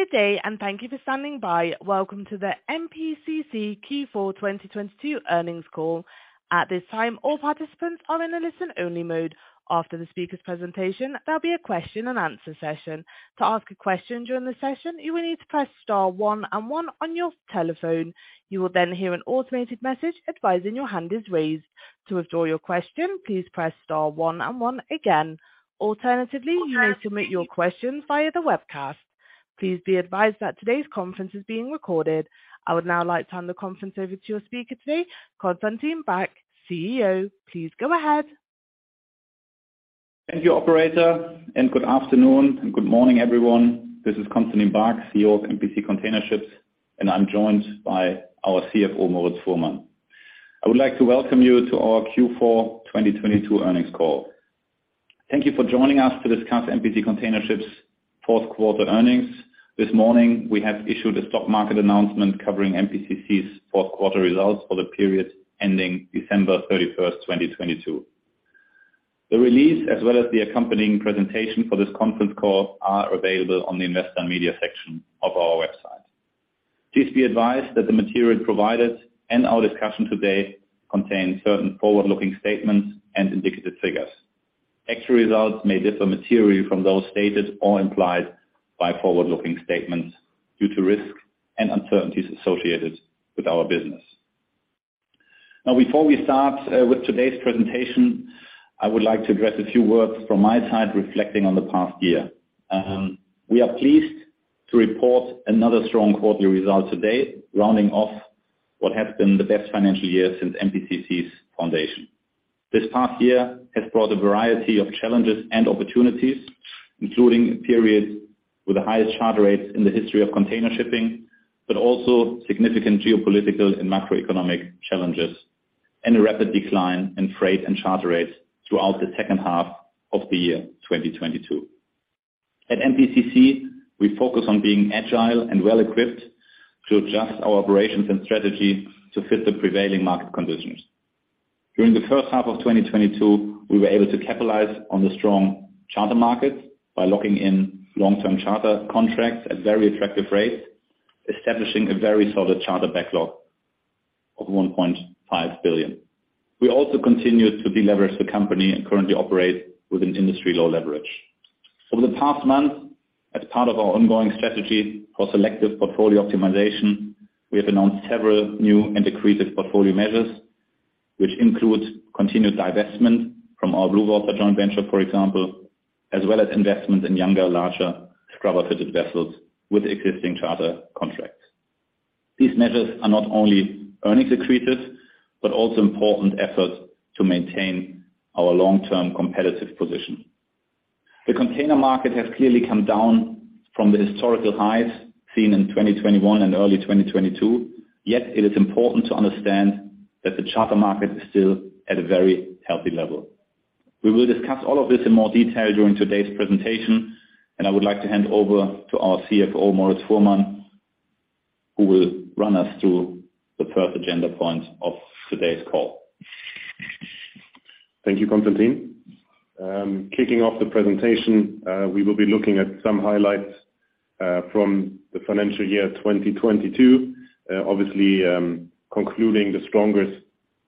Good day, and thank you for standing by. Welcome to the MPCC Q4 2022 Earnings Call. At this time, all participants are in a listen-only mode. After the speaker's presentation, there'll be a question-and-answer session. To ask a question during the session, you will need to press star one and one on your telephone. You will then hear an automated message advising your hand is raised. To withdraw your question, please press star one and one again. Alternatively, you may submit your questions via the webcast. Please be advised that today's conference is being recorded. I would now like to hand the conference over to your speaker today, Constantin Baack, CEO. Please go ahead. Thank you, operator, good afternoon and good morning, everyone. This is Constantin Baack, CEO of MPC Container Ships, and I'm joined by our CFO, Moritz Fuhrmann. I would like to welcome you to our Q4 2022 Earnings Call. Thank you for joining us to discuss MPC Container Ships' fourth quarter earnings. This morning, we have issued a stock market announcement covering MPCC's fourth quarter results for the period ending December 31st, 2022. The release as well as the accompanying presentation for this conference call are available on the Investor Media section of our website. Please be advised that the material provided and our discussion today contain certain forward-looking statements and indicative figures. Actual results may differ materially from those stated or implied by forward-looking statements due to risks and uncertainties associated with our business. Now, before we start with today's presentation, I would like to address a few words from my side reflecting on the past year. We are pleased to report another strong quarterly result today, rounding off what has been the best financial year since MPCC's foundation. This past year has brought a variety of challenges and opportunities, including a period with the highest charter rates in the history of container shipping, but also significant geopolitical and macroeconomic challenges and a rapid decline in freight and charter rates throughout the second half of 2022. At MPCC, we focus on being agile and well-equipped to adjust our operations and strategy to fit the prevailing market conditions. During the first half of 2022, we were able to capitalize on the strong charter markets by locking in long-term charter contracts at very attractive rates, establishing a very solid charter backlog of $1.5 billion. We also continued to deleverage the company and currently operate with an industry-low leverage. Over the past month, as part of our ongoing strategy for selective portfolio optimization, we have announced several new and accretive portfolio measures, which includes continued divestment from our Blue Water joint venture, for example, as well as investment in younger, larger scrubber-fitted vessels with existing charter contracts. These measures are not only earnings accretive, but also important efforts to maintain our long-term competitive position. The container market has clearly come down from the historical highs seen in 2021 and early 2022. It is important to understand that the charter market is still at a very healthy level. We will discuss all of this in more detail during today's presentation, and I would like to hand over to our CFO, Moritz Fuhrmann, who will run us through the first agenda point of today's call. Thank you, Constantin Baack. Kicking off the presentation, we will be looking at some highlights from the financial year 2022. Obviously, concluding the strongest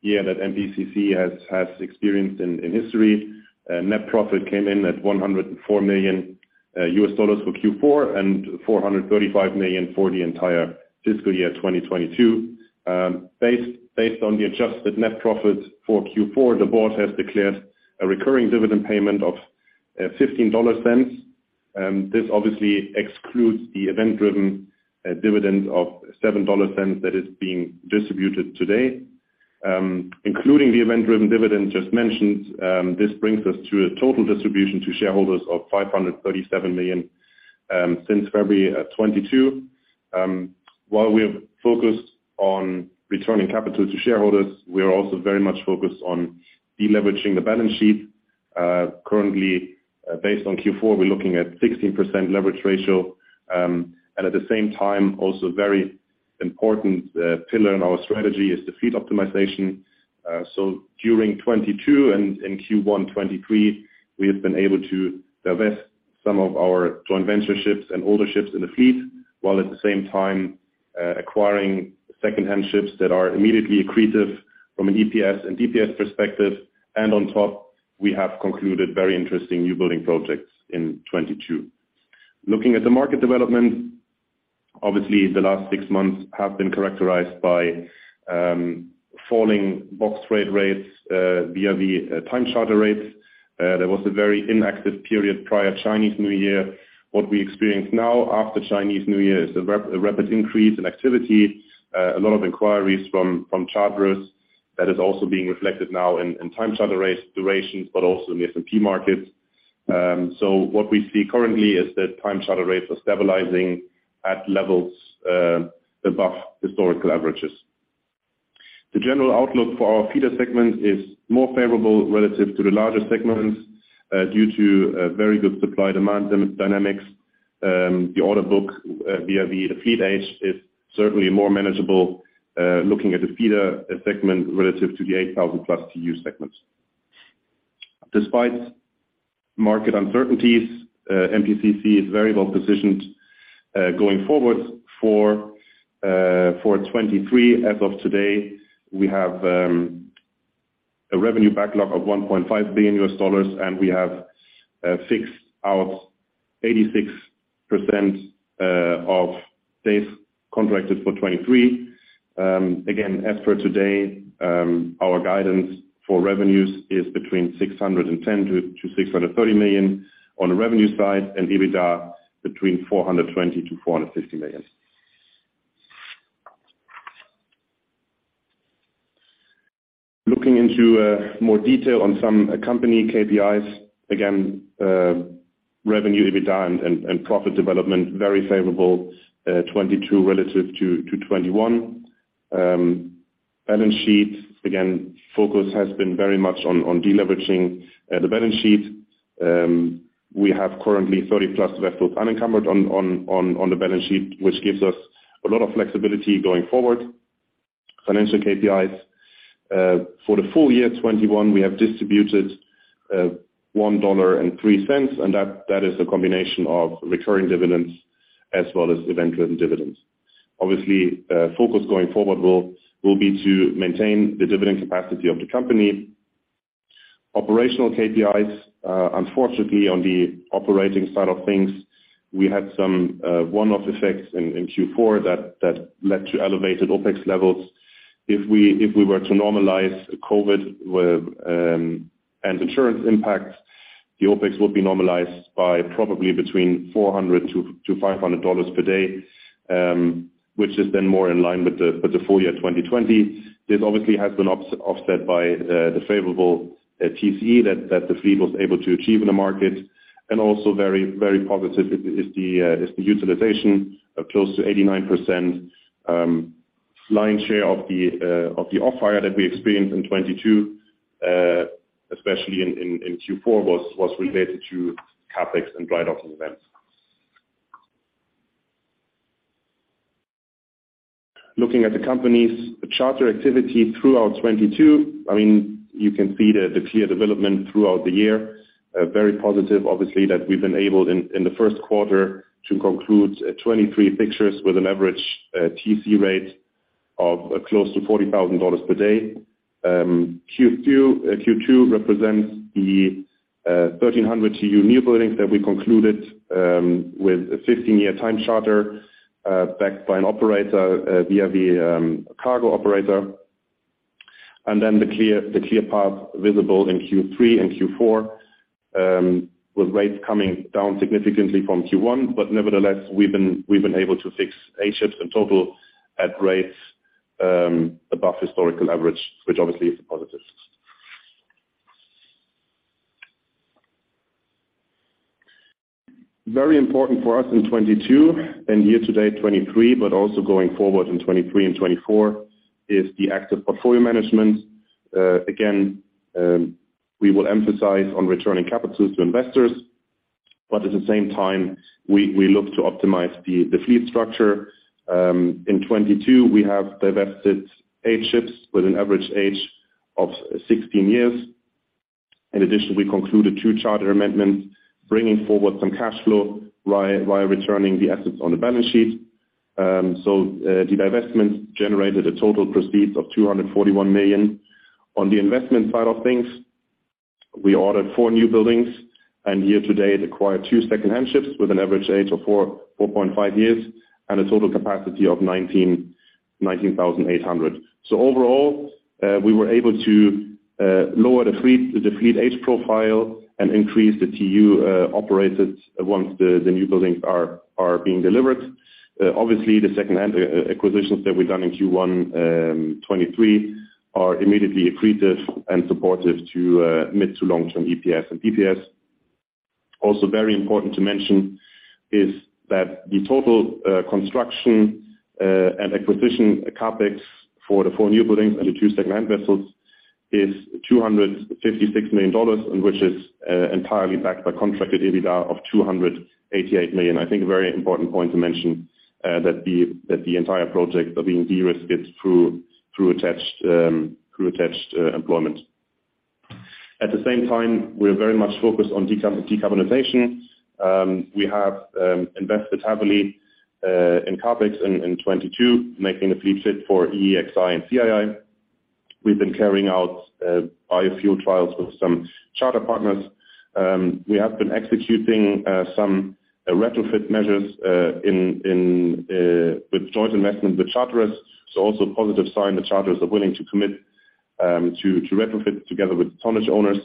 year that MPCC has experienced in history. Net profit came in at $104 million for Q4 and $435 million for the entire fiscal year 2022. Based on the adjusted Net Profit for Q4, the board has declared a recurring dividend payment of $0.15. This obviously excludes the event-driven dividend of $0.07 that is being distributed today. Including the event-driven dividend just mentioned, this brings us to a total distribution to shareholders of $537 million since February 2022. While we have focused on returning capital to shareholders, we are also very much focused on deleveraging the balance sheet. Currently, based on Q4, we're looking at 16% leverage ratio. At the same time, also very important, pillar in our strategy is the fleet optimization. During 2022 and in Q1 2023, we have been able to divest some of our joint venture ships and older ships in the fleet, while at the same time, acquiring secondhand ships that are immediately accretive from an EPS and DPS perspective. On top, we have concluded very interesting new building projects in 2022. Looking at the market development, obviously the last six months have been characterized by falling box freight rates, via the time charter rates. There was a very inactive period prior Chinese New Year. What we experience now after Chinese New Year is a rapid increase in activity, a lot of inquiries from charterers that is also being reflected now in time charter rates durations, also in the S&P markets. What we see currently is that time charter rates are stabilizing at levels above historical averages. The general outlook for our feeder segment is more favorable relative to the larger segments due to very good supply-demand dynamics. The order book via the fleet age is certainly more manageable looking at the feeder segment relative to the 8,000 plus TEU segments. Despite market uncertainties, MPCC is very well positioned going forward for 2023. As of today, we have a revenue backlog of $1.5 billion. We have fixed out 86% of days contracted for 2023. Again, as for today, our guidance for revenues is between $610 million-$630 million on the revenue side, and EBITDA between $420 million-$450 million. Looking into more detail on some company KPIs, again, revenue, EBITDA, and profit development, very favorable 2022 relative to 2021. Balance sheet, again, focus has been very much on deleveraging the balance sheet. We have currently 30+ vessels unencumbered on the balance sheet, which gives us a lot of flexibility going forward. Financial KPIs for the full year 2021, we have distributed $1.03. That is a combination of recurring dividends as well as event-driven dividends. Obviously, focus going forward will be to maintain the dividend capacity of the company. Operational KPIs, unfortunately, on the operating side of things, we had some one-off effects in Q4 that led to elevated OpEx levels. If we were to normalize COVID with and insurance impacts, the OpEx will be normalized by probably between $400-$500 per day, which is then more in line with the full year 2020. This obviously has been offset by the favorable TCE that the fleet was able to achieve in the market, and also very positive is the utilization of close to 89%. Lion's share of the off-hire that we experienced in 2022, especially in Q4, was related to CapEx and drydocking events. Looking at the company's charter activity throughout 2022, I mean, you can see the clear development throughout the year. Very positive, obviously, that we've been able in the first quarter to conclude 23 fixtures with an average TC rate of close to $40,000 per day. Q2 represents the 1,300 TEU newbuildings that we concluded with a 15-year time charter, backed by an operator, via the cargo operator. The clear, the clear path visible in Q3 and Q4, with rates coming down significantly from Q1. Nevertheless, we've been able to fix eight ships in total at rates above historical average, which obviously is a positive. Very important for us in 2022 and here today, 2023, but also going forward in 2023 and 2024, is the active portfolio management. Again, we will emphasize on returning capital to investors, but at the same time, we look to optimize the fleet structure. In 2022, we have divested eight ships with an average age of 16 years. In addition, we concluded two charter amendments, bringing forward some cash flow via returning the assets on the balance sheet. The divestment generated a total proceeds of $241 million. On the investment side of things, we ordered four newbuildings, and here today acquired two secondhand ships with an average age of 4.5 years and a total capacity of 19,800. Overall, we were able to lower the fleet age profile and increase the TU operated once the newbuildings are being delivered. Obviously, the secondhand acquisitions that we've done in Q1 2023 are immediately accretive and supportive to mid to long-term EPS and DPS. Also, very important to mention is that the total construction and acquisition CapEx for the four newbuildings and the two secondhand vessels is $256 million, and which is entirely backed by contracted EBITDA of $288 million. I think a very important point to mention, that the entire project are being de-risked through attached employment. At the same time, we are very much focused on decarbonization. We have invested heavily in CapEx in 2022, making the fleet fit for EEXI and CII. We've been carrying out biofuel trials with some charter partners. We have been executing some retrofit measures in with joint investment with charterers. It's also a positive sign the charterers are willing to commit to retrofit together with tonnage owners.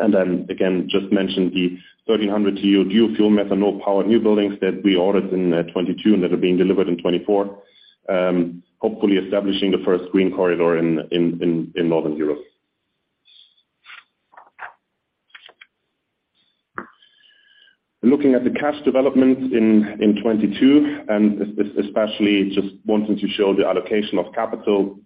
Just mention the 1,300 TEU dual fuel methanol-powered newbuildings that we ordered in 2022 and that are being delivered in 2024, hopefully establishing the first green corridor in Northern Europe. Looking at the cash development in 2022, and especially just wanting to show the allocation of capital.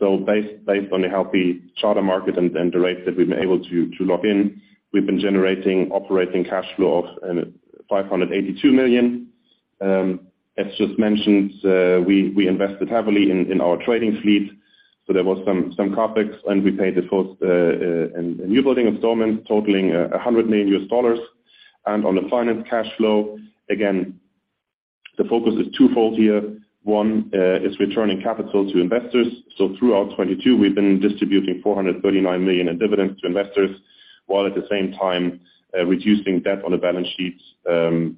Based on the healthy charter market and the rates that we've been able to lock in, we've been generating operating cash flow of $582 million. As just mentioned, we invested heavily in our trading fleet, so there was some CapEx and we paid the first a new building installment totaling $100 million. On the finance cash flow, again, the focus is twofold here. One is returning capital to investors. Throughout 2022, we've been distributing $439 million in dividends to investors, while at the same time, reducing debt on the balance sheets,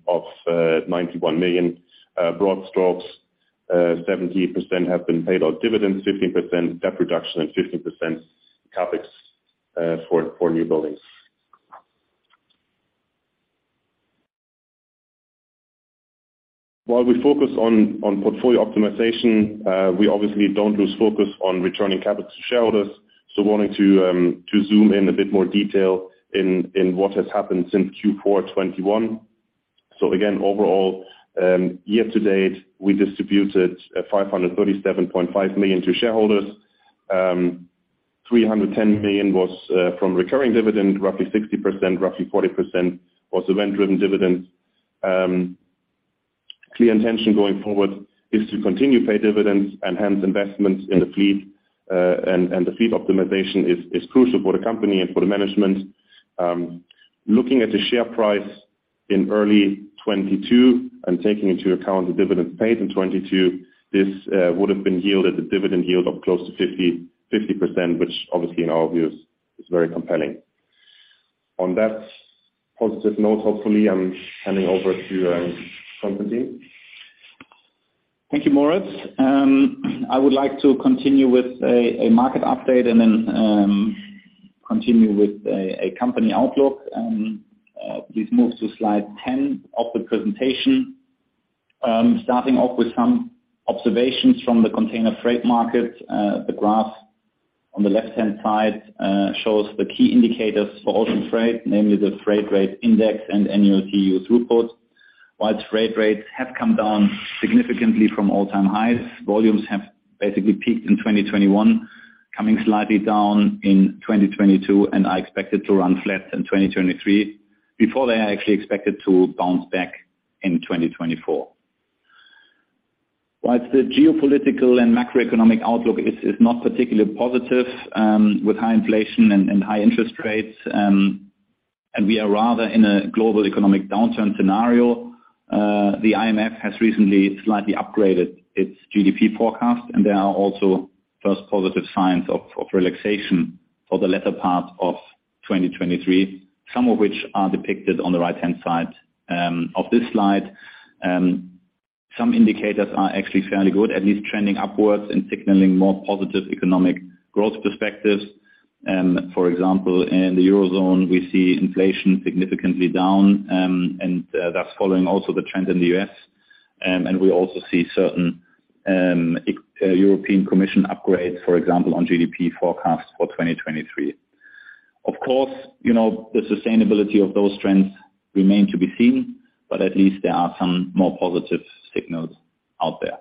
of $91 million. Broad strokes, 70% have been paid out dividends, 15% debt reduction, and 15% CapEx for new buildings. While we focus on portfolio optimization, we obviously don't lose focus on returning capital to shareholders. Wanting to zoom in a bit more detail in what has happened since Q4 2021. Again, overall, year to date, we distributed $537.5 million to shareholders. $310 million was from recurring dividend, roughly 60%, roughly 40% was event-driven dividends. Clear intention going forward is to continue to pay dividends and hence investments in the fleet. The fleet optimization is crucial for the company and for the management. Looking at the share price in early 2022 and taking into account the dividends paid in 2022, this would've been yielded a dividend yield of close to 50%, which obviously in our view is very compelling. On that positive note, hopefully, I'm handing over to Constantin. Thank you, Moritz. I would like to continue with a market update and then continue with a company outlook. Please move to slide 10 of the presentation. Starting off with some observations from the container freight market. The graph on the left-hand side shows the key indicators for ultimate freight, namely the freight rate index and annual TEU throughput. While freight rates have come down significantly from all-time highs, volumes have basically peaked in 2021, coming slightly down in 2022, and are expected to run flat in 2023 before they are actually expected to bounce back in 2024. While the geopolitical and macroeconomic outlook is not particularly positive, with high inflation and high interest rates, we are rather in a global economic downturn scenario. The IMF has recently slightly upgraded its GDP forecast. There are also first positive signs of relaxation for the latter part of 2023, some of which are depicted on the right-hand side of this slide. Some indicators are actually fairly good, at least trending upwards and signaling more positive economic growth perspectives. For example, in the Eurozone, we see inflation significantly down, and that's following also the trend in the U.S. We also see certain European Commission upgrades, for example, on GDP forecasts for 2023. Of course, you know, the sustainability of those trends remain to be seen, but at least there are some more positive signals out there.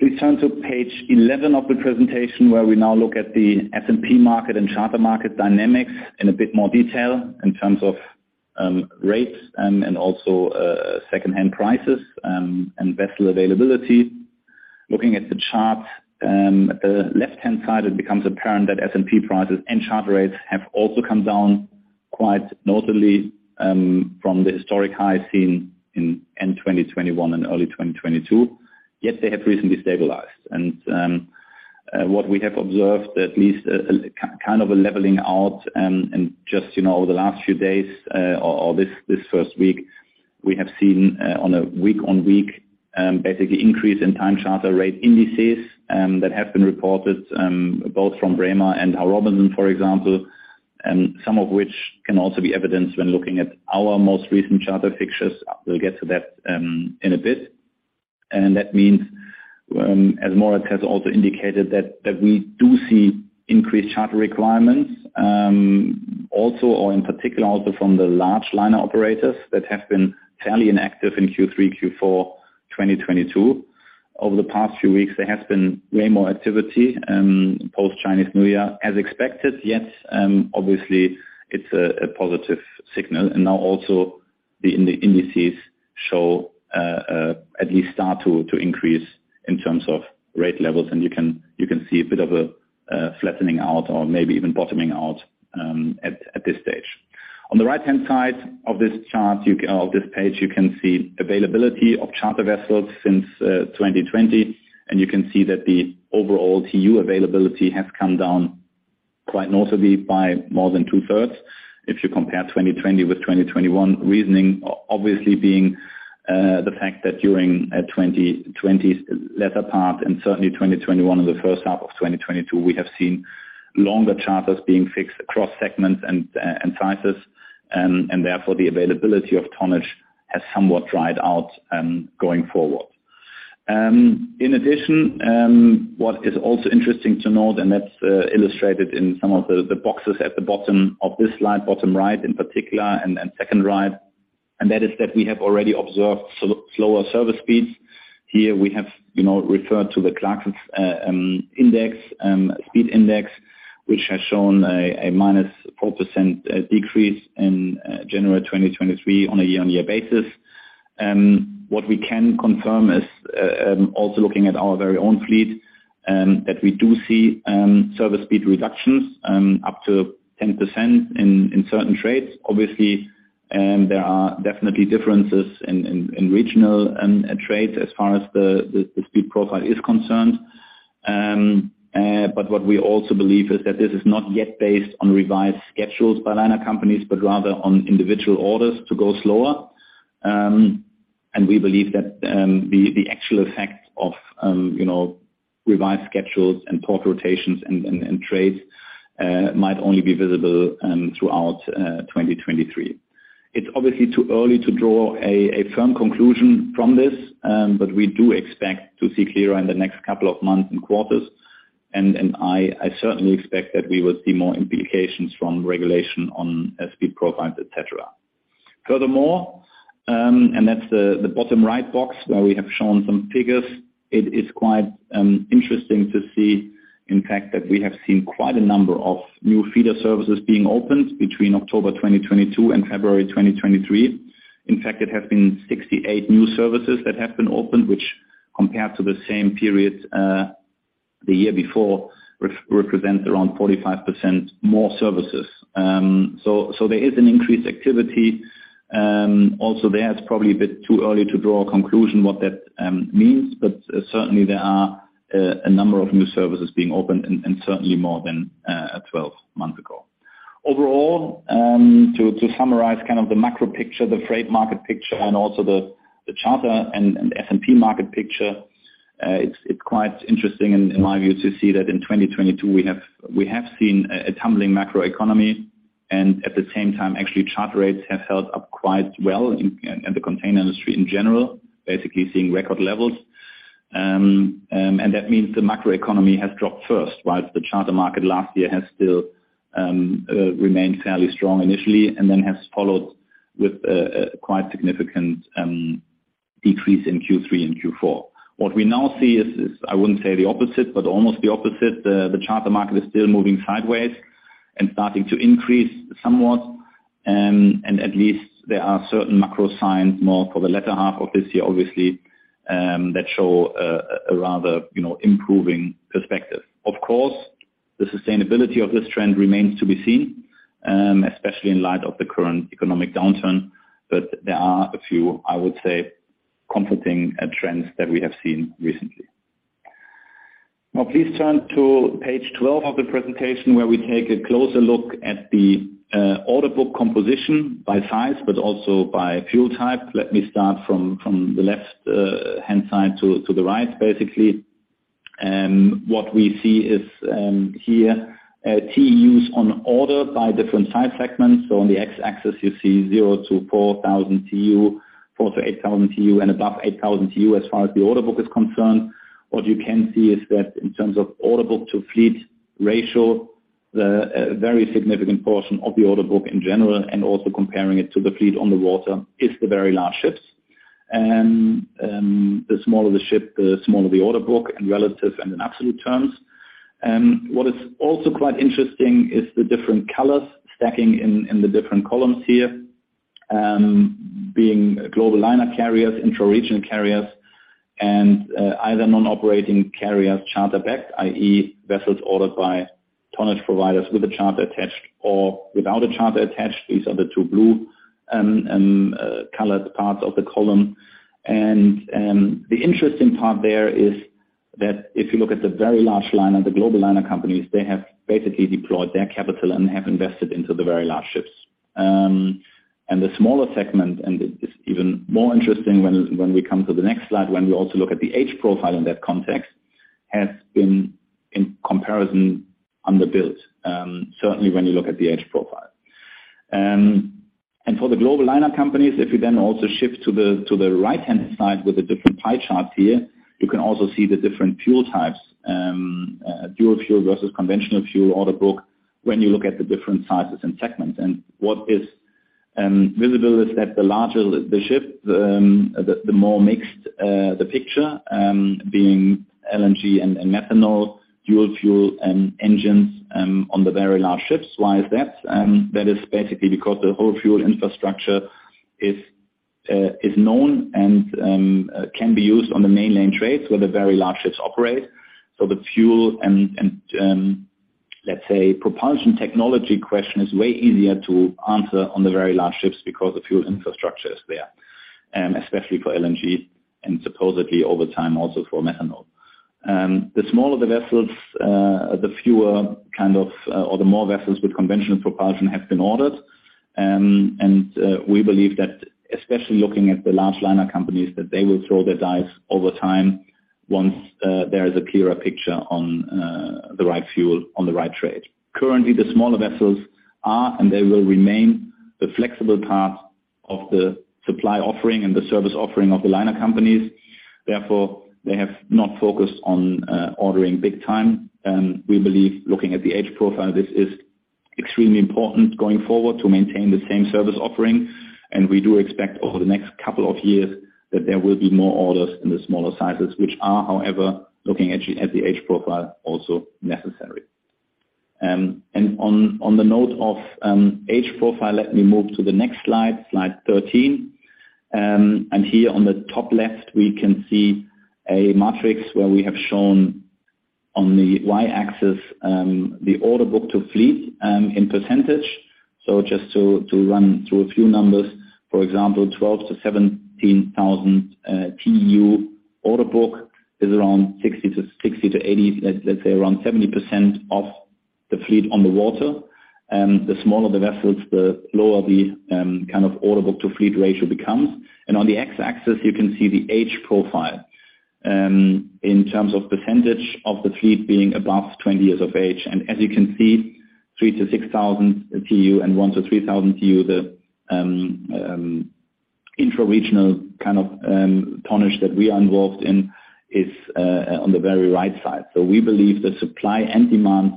Please turn to page 11 of the presentation, where we now look at the S&P market and charter market dynamics in a bit more detail in terms of rates, and also secondhand prices, and vessel availability. Looking at the chart at the left-hand side, it becomes apparent that S&P prices and charter rates have also come down quite notably from the historic high seen in end 2021 and early 2022, yet they have recently stabilized. What we have observed, at least a kind of a leveling out, in just, you know, the last few days, or this first week, we have seen, on a week on week, basically increase in time charter rate indices, that have been reported, both from Braemar and Howe Robinson, for example, some of which can also be evidenced when looking at our most recent charter fixtures. We'll get to that in a bit. That means, as Moritz has also indicated that we do see increased charter requirements, also or in particular also from the large liner operators that have been fairly inactive in Q3, Q4, 2022. Over the past few weeks, there has been way more activity, post-Chinese New Year as expected, yet, obviously it's a positive signal. Now also the indices show, at least start to increase in terms of rate levels. You can see a bit of a flattening out or maybe even bottoming out, at this stage. On the right-hand side of this page, you can see availability of charter vessels since 2020, and you can see that the overall TU availability has come down quite notably by more than 2/3 if you compare 2020 with 2021. Reasoning obviously being, the fact that during 2020's latter part and certainly 2021 and the first half of 2022, we have seen longer charters being fixed across segments and sizes, and therefore the availability of tonnage has somewhat dried out, going forward. In addition, what is also interesting to note, that's illustrated in some of the boxes at the bottom of this slide, bottom right in particular, second right, that is that we have already observed slower service speeds. Here we have, you know, referred to the Clarksons index, speed index, which has shown a -4% decrease in January 2023 on a year-on-year basis. What we can confirm is, also looking at our very own fleet, that we do see service speed reductions up to 10% in certain trades. Obviously, there are definitely differences in regional trades as far as the speed profile is concerned. What we also believe is that this is not yet based on revised schedules by liner companies, but rather on individual orders to go slower. We believe that the actual effects of, you know, revised schedules and port rotations and trades might only be visible throughout 2023. It's obviously too early to draw a firm conclusion from this, but we do expect to see clearer in the next couple of months and quarters. I certainly expect that we will see more implications from regulation on speed profiles, etc. Furthermore, that's the bottom right box where we have shown some figures, it is quite interesting to see, in fact, that we have seen quite a number of new feeder services being opened between October 2022 and February 2023. In fact, it has been 68 new services that have been opened, which compared to the same period, the year before represents around 45% more services. There is an increased activity also there. It's probably a bit too early to draw a conclusion what that means. Certainly there are a number of new services being opened and certainly more than 12 months ago. Overall, to summarize kind of the macro picture, the freight market picture, and also the charter and S&P market picture, it's quite interesting in my view to see that in 2022 we have seen a tumbling macro economy. At the same time, actually charter rates have held up quite well in the container industry in general, basically seeing record levels. That means the macro economy has dropped first, whilst the charter market last year has still remained fairly strong initially and then has followed with quite significant decrease in Q3 and Q4. What we now see is, I wouldn't say the opposite, but almost the opposite. The charter market is still moving sideways and starting to increase somewhat. At least there are certain macro signs more for the latter half of this year, obviously, that show a rather, you know, improving perspective. Of course, the sustainability of this trend remains to be seen, especially in light of the current economic downturn. There are a few, I would say, comforting trends that we have seen recently. Now please turn to page 12 of the presentation where we take a closer look at the order book composition by size, but also by fuel type. Let me start from the left hand side to the right basically. What we see is here TEUs on order by different size segments. On the X-axis you see zero-4,000 TEU, four-8,000 TEU, and above 8,000 TEU as far as the order book is concerned. What you can see is that in terms of order book to fleet ratio, the very significant portion of the order book in general, and also comparing it to the fleet on the water, is the very large ships. The smaller the ship, the smaller the order book in relative and in absolute terms. What is also quite interesting is the different colors stacking in the different columns here, being global liner carriers, intra-region carriers, and either non-operating carriers charter backed, i.e. vessels ordered by tonnage providers with a charter attached or without a charter attached. These are the two blue colored parts of the column. The interesting part there is that if you look at the very large liner, the global liner companies, they have basically deployed their capital and have invested into the very large ships. The smaller segment, and it's even more interesting when we come to the next slide, when we also look at the age profile in that context, has been in comparison underbuilt. Certainly when you look at the age profile. For the global liner companies, if you then also shift to the right-hand side with a different pie chart here, you can also see the different fuel types. Dual fuel versus conventional fuel order book when you look at the different sizes and segments. What is visible is that the larger the ship, the more mixed the picture, being LNG and methanol, dual fuel engines, on the very large ships. Why is that? That is basically because the whole fuel infrastructure is known and can be used on the mainland trades where the very large ships operate. The fuel and, let's say propulsion technology question is way easier to answer on the very large ships because the fuel infrastructure is there, especially for LNG and supposedly over time also for methanol. The smaller the vessels, the fewer kind of, or the more vessels with conventional propulsion have been ordered. We believe that especially looking at the large liner companies, that they will throw their dice over time once there is a clearer picture on the right fuel on the right trade. Currently, the smaller vessels are, and they will remain, the flexible part of the supply offering and the service offering of the liner companies. They have not focused on ordering big time. We believe looking at the age profile, this is extremely important going forward to maintain the same service offering, and we do expect over the next couple of years that there will be more orders in the smaller sizes, which are, however, looking at the age profile, also necessary. On the note of age profile, let me move to the next slide 13. Here on the top left, we can see a matrix where we have shown on the y-axis, the order book to fleet in percentage. Just to run through a few numbers, for example, 12-17,000 TEU order book is around 60%-80%, let's say around 70% of the fleet on the water. The smaller the vessels, the lower the kind of orderbook-to-fleet ratio becomes. On the x-axis, you can see the age profile, in terms of percentage of the fleet being above 20 years of age. As you can see, 3,000-6,000 TEU and 1,000-3,000 TEU, the intra-regional kind of tonnage that we are involved in is on the very right side. We believe the supply and demand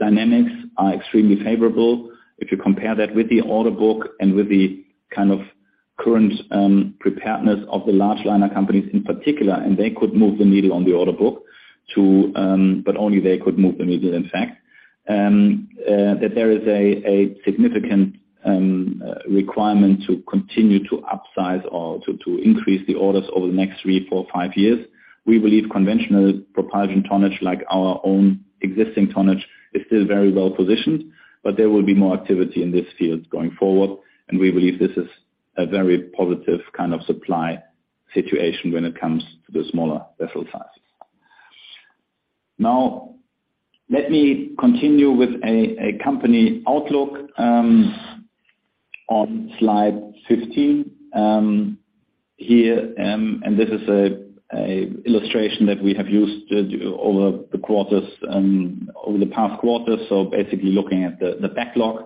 dynamics are extremely favorable. If you compare that with the order book and with the kind of current, preparedness of the large liner companies in particular, and they could move the needle on the order book to, but only they could move the needle, in fact, that there is a significant requirement to continue to upsize or to increase the orders over the next three, four, five years. We believe conventional propulsion tonnage, like our own existing tonnage, is still very well positioned, but there will be more activity in this field going forward. We believe this is a very positive kind of supply situation when it comes to the smaller vessel size. Let me continue with a company outlook, on slide 15. Here, this is a illustration that we have used over the quarters, over the past quarters, basically looking at the backlog.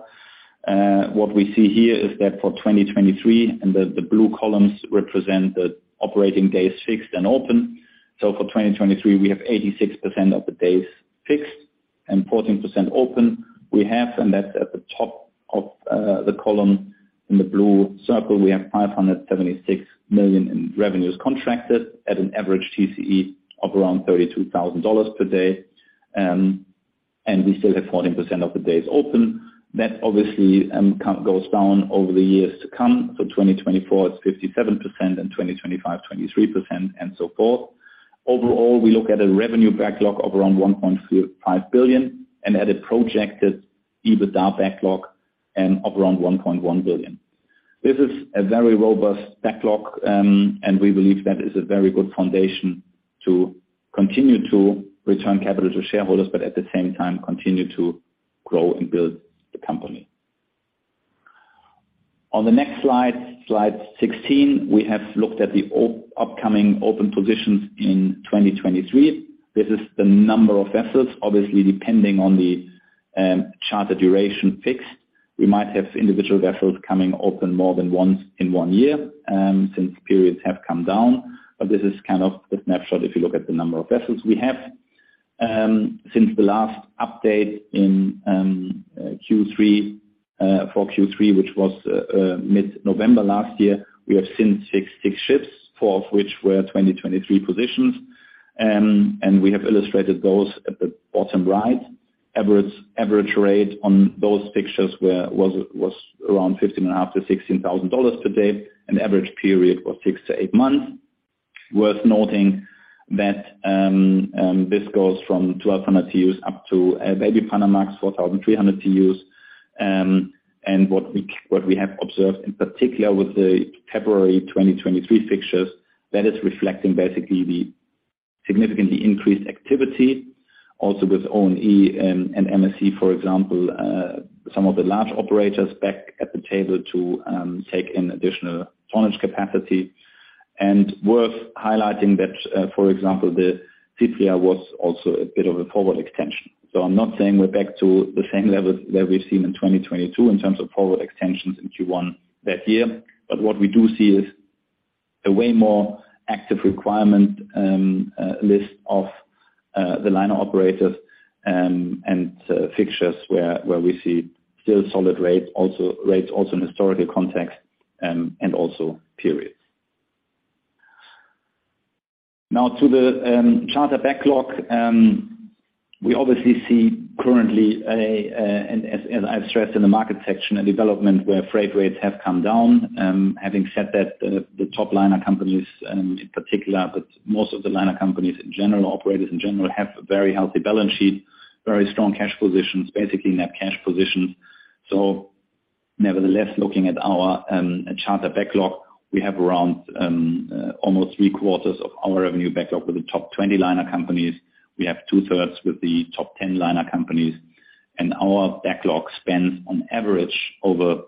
What we see here is that for 2023, the blue columns represent the operating days fixed and open. For 2023, we have 86% of the days fixed and 14% open. We have, and that's at the top of the column in the blue circle, we have $576 million in revenues contracted at an average TCE of around $32,000 per day. We still have 14% of the days open. That obviously, count goes down over the years to come. 2024, it's 57%, and 2025, 23%, and so forth. Overall, we look at a revenue backlog of around $1.5 billion and at a projected EBITDA backlog of around $1.1 billion. This is a very robust backlog. We believe that is a very good foundation to continue to return capital to shareholders, at the same time continue to grow and build the company. On the next slide 16, we have looked at the upcoming open positions in 2023. This is the number of vessels, obviously, depending on the charter duration fixed. We might have individual vessels coming open more than once in one year, since periods have come down. This is kind of the snapshot if you look at the number of vessels we have. Since the last update in Q3, for Q3, which was mid-November last year, we have seen six ships, four of which were 2023 positions. We have illustrated those at the bottom right. Average rate on those fixtures was around $15,500-$16,000 per day, and average period was six-eight months. Worth noting that this goes from 1,200 TEUs up to a baby Panamax, 4,300 TEUs. What we have observed, in particular with the February 2023 fixtures, that is reflecting basically the significantly increased activity also with ONE and MSC, for example, some of the large operators back at the table to take in additional tonnage capacity. Worth highlighting that, for example, the CPR was also a bit of a forward extension. I'm not saying we're back to the same levels that we've seen in 2022 in terms of forward extensions in Q1 that year. What we do see is a way more active requirement, list of the liner operators, and fixtures where we see still solid rates also in historical context, and also periods. To the charter backlog. We obviously see currently a, and as I've stressed in the market section, a development where freight rates have come down. Having said that, the top liner companies in particular, but most of the liner companies in general, operators in general, have a very healthy balance sheet, very strong cash positions, basically net cash positions. Nevertheless, looking at our charter backlog, we have around almost three-quarters of our revenue back up with the top 20 liner companies. We have 2/3 with the top 10 liner companies. Our backlog spans on average over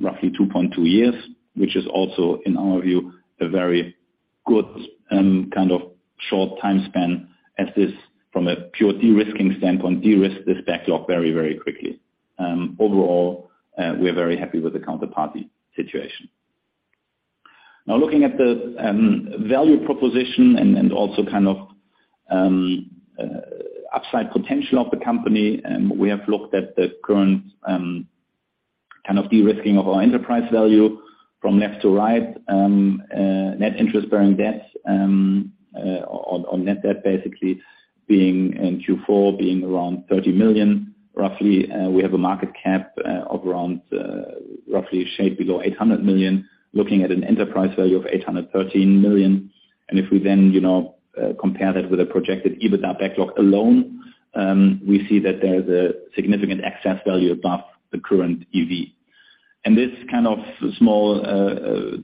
roughly 2.2 years, which is also, in our view, a very good kind of short time span as this, from a pure de-risking standpoint, de-risk this backlog very, very quickly. Overall, we are very happy with the counterparty situation. Now looking at the value proposition and also kind of upside potential of the company, we have looked at the current kind of de-risking of our enterprise value from left to right, net interest-bearing debt on net debt basically being in Q4, being around $30 million roughly. We have a market cap of around roughly a shade below $800 million, looking at an enterprise value of $813 million. If we then, you know, compare that with a projected EBITDA backlog alone, we see that there is a significant excess value above the current EV. This kind of small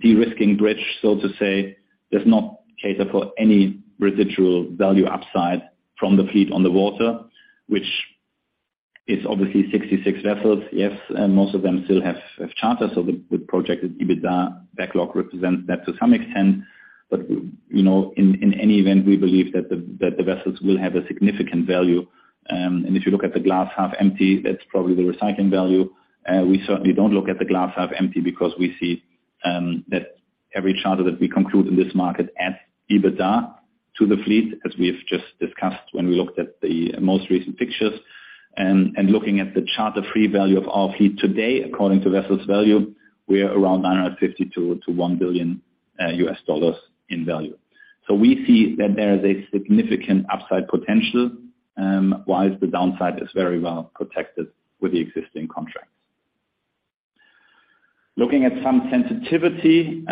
de-risking bridge, so to say, does not cater for any residual value upside from the fleet on the water, which is obviously 66 vessels. Yes, most of them still have charters. The projected EBITDA backlog represents that to some extent. You know, in any event, we believe that the vessels will have a significant value. If you look at the glass half empty, that's probably the recycling value. We certainly don't look at the glass half empty because we see that every charter that we conclude in this market adds EBITDA to the fleet, as we have just discussed when we looked at the most recent pictures. Looking at the charter free value of our fleet today, according to VesselsValue, we are around $952 million-$1 billion in value. We see that there is a significant upside potential whilst the downside is very well protected with the existing contracts. Looking at some sensitivity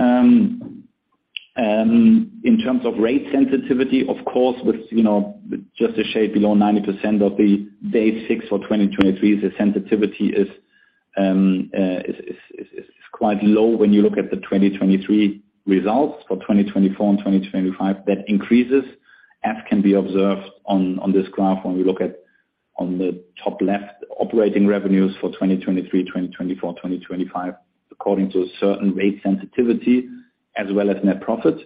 in terms of rate sensitivity, of course, with, you know, with just a shade below 90% of the day six for 2023, the sensitivity is quite low when you look at the 2023 results. For 2024 and 2025, that increases, as can be observed on this graph when we look at on the top left operating revenues for 2023, 2024, 2025, according to a certain rate sensitivity as well as net profit.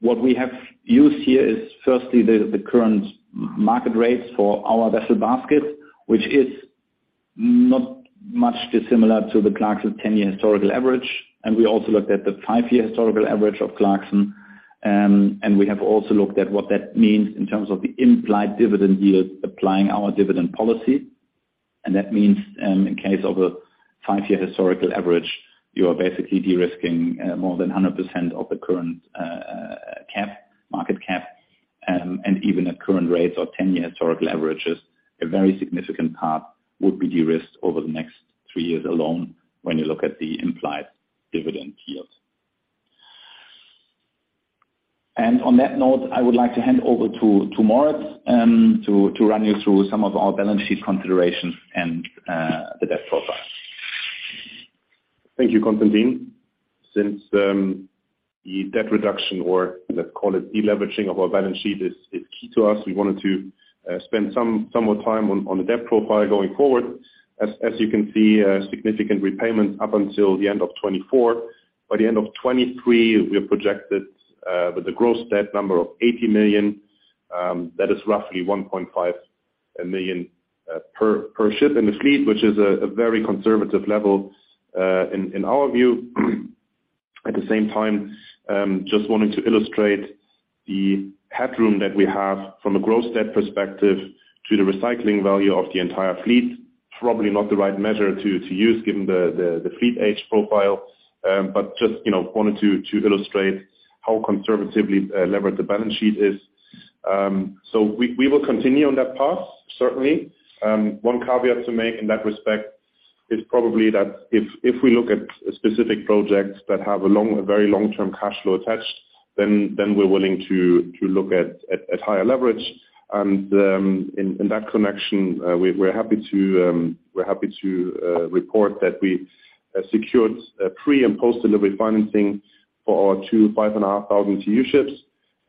What we have used here is firstly the current market rates for our vessel basket, which is not much dissimilar to the Clarksons 10-year historical average. We also looked at the five-year historical average of Clarksons. We have also looked at what that means in terms of the implied dividend yield applying our dividend policy. That means, in case of a five-year historical average, you are basically de-risking more than 100% of the current market cap. Even at current rates or 10-year historical averages, a very significant part would be de-risked over the next three years alone when you look at the implied dividend yields. On that note, I would like to hand over to Moritz, to run you through some of our balance sheet considerations and the debt profile. Thank you, Constantin. Since the debt reduction or let's call it deleveraging of our balance sheet is key to us, we wanted to spend some more time on the debt profile going forward. As you can see, a significant repayment up until the end of 2024. By the end of 2023, we are projected with a gross debt number of $80 million, that is roughly $1.5 million per ship in the fleet, which is a very conservative level in our view. At the same time, just wanting to illustrate the headroom that we have from a gross debt perspective to the recycling value of the entire fleet. Probably not the right measure to use given the fleet age profile, but just, you know, wanted to illustrate how conservatively levered the balance sheet is. We will continue on that path, certainly. One caveat to make in that respect is probably that if we look at specific projects that have a long, a very long-term cash flow attached, then we're willing to look at higher leverage. In that connection, we're happy to report that we secured pre- and post-delivery financing for our two 5,500 TEU ships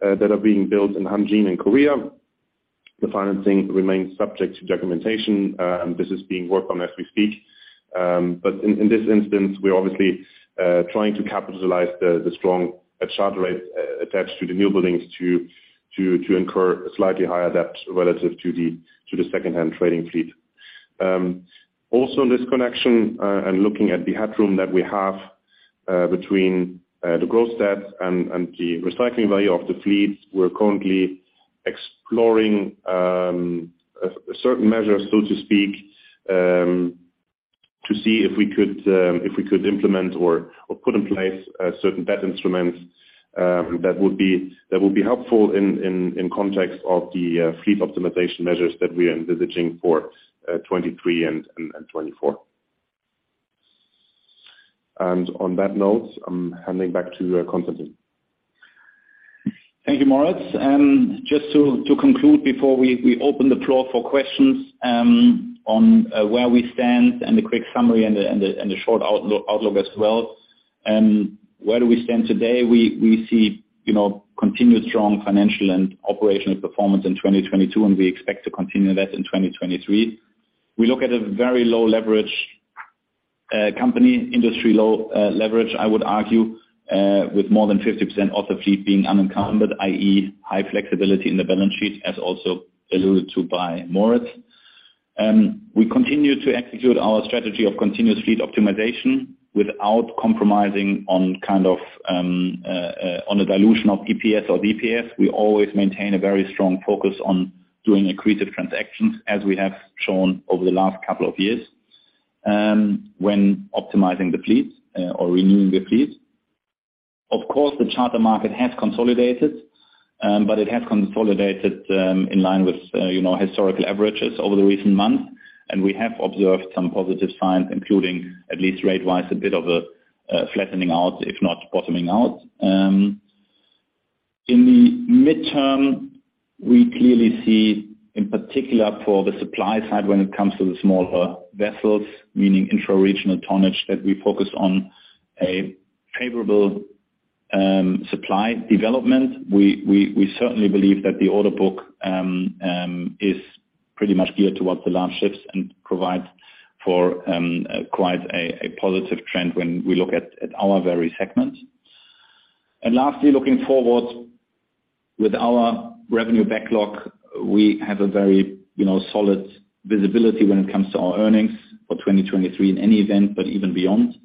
that are being built in HJ Shipbuilding & Construction in Korea. The financing remains subject to documentation, this is being worked on as we speak. In this instance, we're obviously trying to capitalize the strong charter rate attached to the newbuildings to incur a slightly higher debt relative to the secondhand trading fleet. Also, in this connection, and looking at the headroom that we have between the gross debt and the recycling value of the fleet, we're currently exploring a certain measure so to speak, to see if we could implement or put in place certain debt instruments that would be helpful in context of the fleet optimization measures that we are envisaging for 2023 and 2024. On that note, I'm handing back to Constantin. Thank you, Moritz. Just to conclude before we open the floor for questions, on where we stand and the quick summary and the short outlook as well. Where do we stand today? We see, you know, continued strong financial and operational performance in 2022, and we expect to continue that in 2023. We look at a very low leverage company, industry low leverage, I would argue, with more than 50% of the fleet being unencumbered, i.e., high flexibility in the balance sheet, as also alluded to by Moritz. We continue to execute our strategy of continuous fleet optimization without compromising on kind of on the dilution of EPS or DPS. We always maintain a very strong focus on doing accretive transactions, as we have shown over the last couple of years, when optimizing the fleet, or renewing the fleet. Of course, the charter market has consolidated, but it has consolidated in line with, you know, historical averages over the recent months. We have observed some positive signs, including at least rate-wise, a bit of a flattening out, if not bottoming out. In the midterm, we clearly see, in particular for the supply side, when it comes to the smaller vessels, meaning intra-regional tonnage, that we focus on a favorable supply development. We certainly believe that the order book is pretty much geared towards the large ships and provides for quite a positive trend when we look at our very segment. Lastly, looking forward with our revenue backlog, we have a very, you know, solid visibility when it comes to our earnings for 2023 in any event, but even beyond.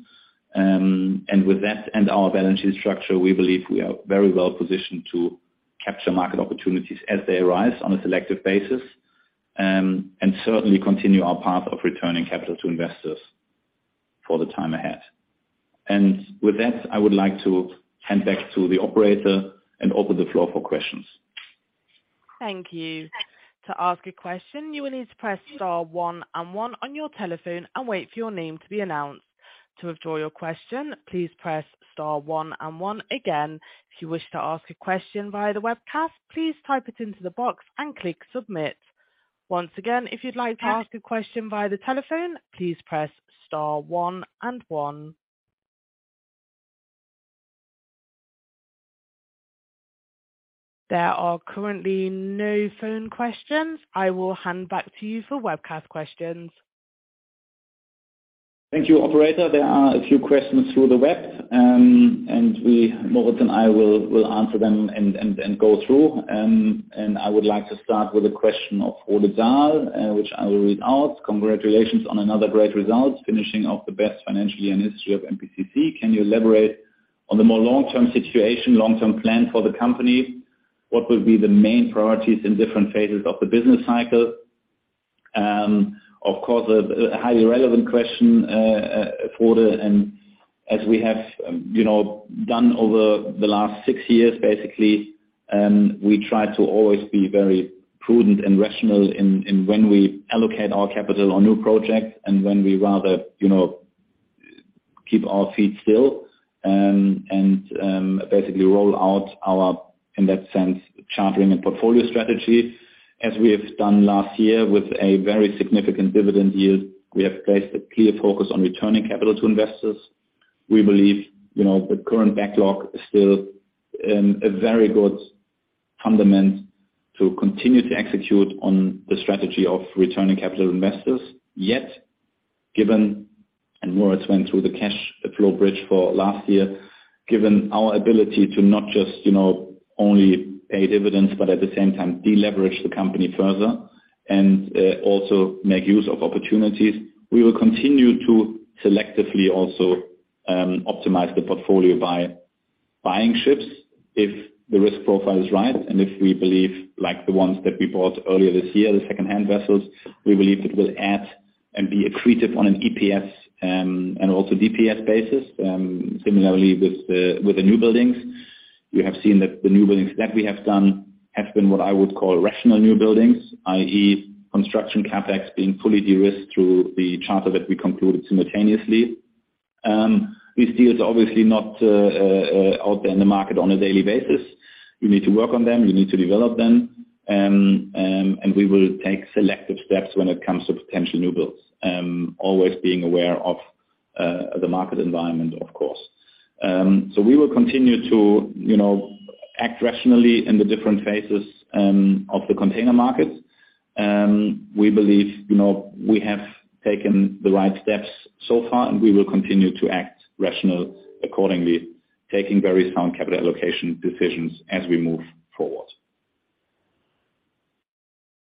With that and our balance sheet structure, we believe we are very well positioned to capture market opportunities as they arise on a selective basis. Certainly continue our path of returning capital to investors for the time ahead. With that, I would like to hand back to the operator and open the floor for questions. Thank you. To ask a question, you will need to press star one and one on your telephone and wait for your name to be announced. To withdraw your question, please press star one and one again. If you wish to ask a question via the webcast, please type it into the box and click submit. Once again, if you'd like to ask a question via the telephone, please press star one and one. There are currently no phone questions. I will hand back to you for webcast questions. Thank you operator. There are a few questions through the web, Moritz and I will answer them and go through. I would like to start with a question of Ulrich Dodel, which I will read out. Congratulations on another great result, finishing off the best financial year in history of MPCC. Can you elaborate on the more long-term situation, long-term plan for the company? What will be the main priorities in different phases of the business cycle? Of course, a highly relevant question, Ulrich. As we have, you know, done over the last six years, basically, we try to always be very prudent and rational in when we allocate our capital on new projects and when we rather, you know, keep our feet still, and basically roll out our in that sense, chartering and portfolio strategy. As we have done last year with a very significant dividend yield, we have placed a clear focus on returning capital to investors. We believe, you know, the current backlog is still a very good fundament to continue to execute on the strategy of returning capital to investors. Given, Moritz went through the cash flow bridge for last year, given our ability to not just, you know, only pay dividends, but at the same time, de-leverage the company further and also make use of opportunities. We will continue to selectively also optimize the portfolio by buying ships if the risk profile is right and if we believe, like the ones that we bought earlier this year, the secondhand vessels, we believe it will add and be accretive on an EPS and also DPS basis. Similarly with the new buildings. We have seen that the new buildings that we have done have been what I would call rational new buildings, i.e. construction CapEx being fully de-risked through the charter that we concluded simultaneously. We see it's obviously not out there in the market on a daily basis. We need to work on them. We need to develop them. We will take selective steps when it comes to potential new builds. Always being aware of the market environment, of course. We will continue to, you know, act rationally in the different phases of the container market. We believe, you know, we have taken the right steps so far, and we will continue to act rational accordingly, taking very sound capital allocation decisions as we move forward.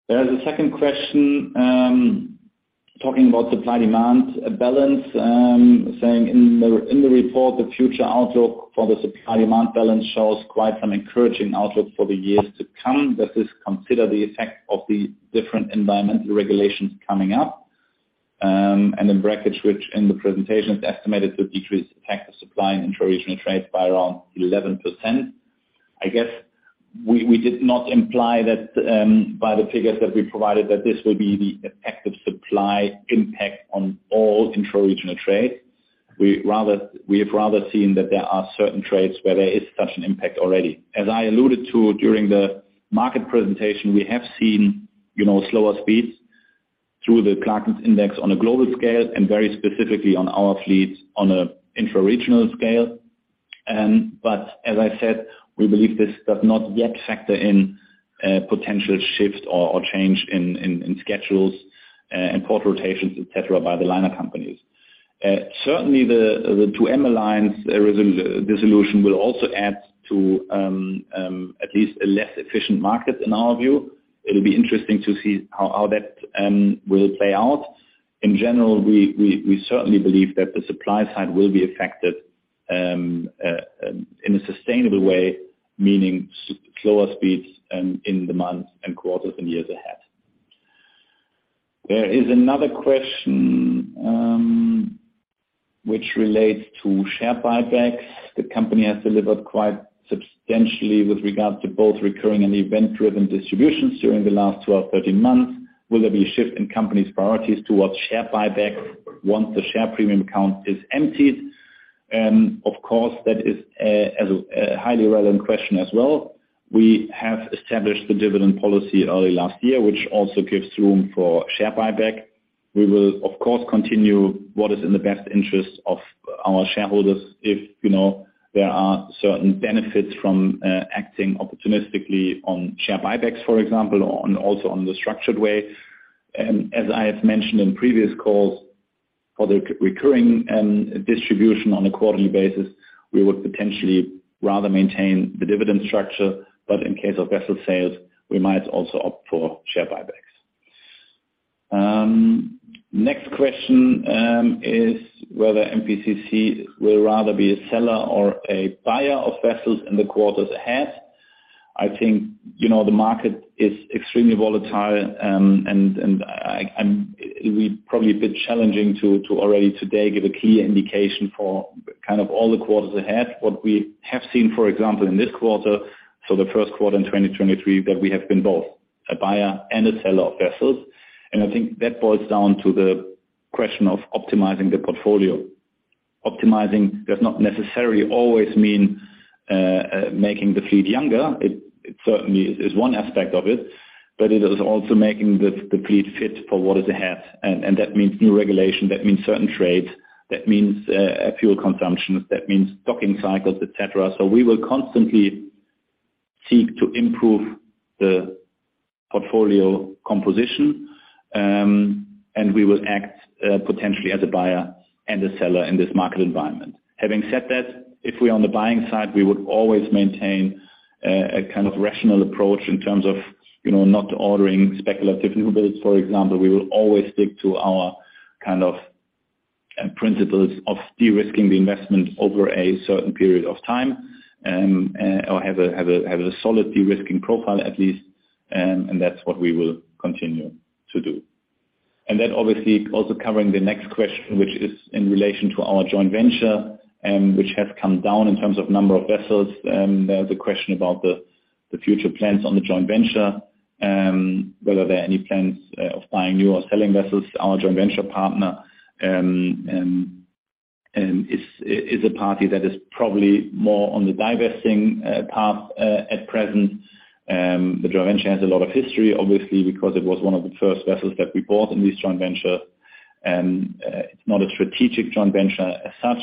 There's a second question, talking about supply-demand balance, saying in the report, the future outlook for the supply-demand balance shows quite some encouraging outlook for the years to come. Does this consider the effect of the different environmental regulations coming up? In brackets, which in the presentation is estimated to decrease the impact of supply in intra-regional trades by around 11%. I guess we did not imply that, by the figures that we provided, that this will be the effective supply impact on all intra-regional trade. We have rather seen that there are certain trades where there is such an impact already. As I alluded to during the market presentation, we have seen, you know, slower speeds through the ClarkSea Index on a global scale and very specifically on our fleet on a intra-regional scale. As I said, we believe this does not yet factor in potential shifts or change in schedules and port rotations, etc, by the liner companies. Certainly the 2M Alliance dissolution will also add to at least a less efficient market in our view. It'll be interesting to see how that will play out. In general, we certainly believe that the supply side will be affected in a sustainable way, meaning slower speeds in the months and quarters and years ahead. There is another question which relates to share buybacks. The company has delivered quite substantially with regards to both recurring and event-driven distributions during the last 12, 13 months. Will there be a shift in company's priorities towards share buyback once the share premium account is emptied? Of course, that is a highly relevant question as well. We have established the dividend policy early last year, which also gives room for share buyback. We will of course continue what is in the best interest of our shareholders if, you know, there are certain benefits from acting opportunistically on share buybacks, for example, also on the structured way. As I have mentioned in previous calls, for the recurring distribution on a quarterly basis, we would potentially rather maintain the dividend structure. In case of vessel sales, we might also opt for share buybacks. Next question is whether MPCC will rather be a seller or a buyer of vessels in the quarters ahead. I think, you know, the market is extremely volatile, and it'd be probably a bit challenging to already today give a key indication for kind of all the quarters ahead. What we have seen, for example, in this quarter, so the first quarter in 2023, that we have been both a buyer and a seller of vessels. I think that boils down to the question of optimizing the portfolio. Optimizing does not necessarily always mean making the fleet younger. It certainly is one aspect of it, but it is also making the fleet fit for what is ahead. That means new regulation, that means certain trades, that means fuel consumption, that means docking cycles, etc. We will constantly seek to improve the portfolio composition, and we will act potentially as a buyer and a seller in this market environment. Having said that, if we're on the buying side, we would always maintain a kind of rational approach in terms of, you know, not ordering speculative newbuilds, for example. We will always stick to our kind of principles of de-risking the investment over a certain period of time, or have a solid de-risking profile at least. That's what we will continue to do. That obviously also covering the next question, which is in relation to our joint venture, which has come down in terms of number of vessels. The question about the future plans on the joint venture, whether there are any plans of buying new or selling vessels. Our joint venture partner is a party that is probably more on the divesting path at present. The joint venture has a lot of history, obviously, because it was one of the first vessels that we bought in this joint venture. It's not a strategic joint venture as such.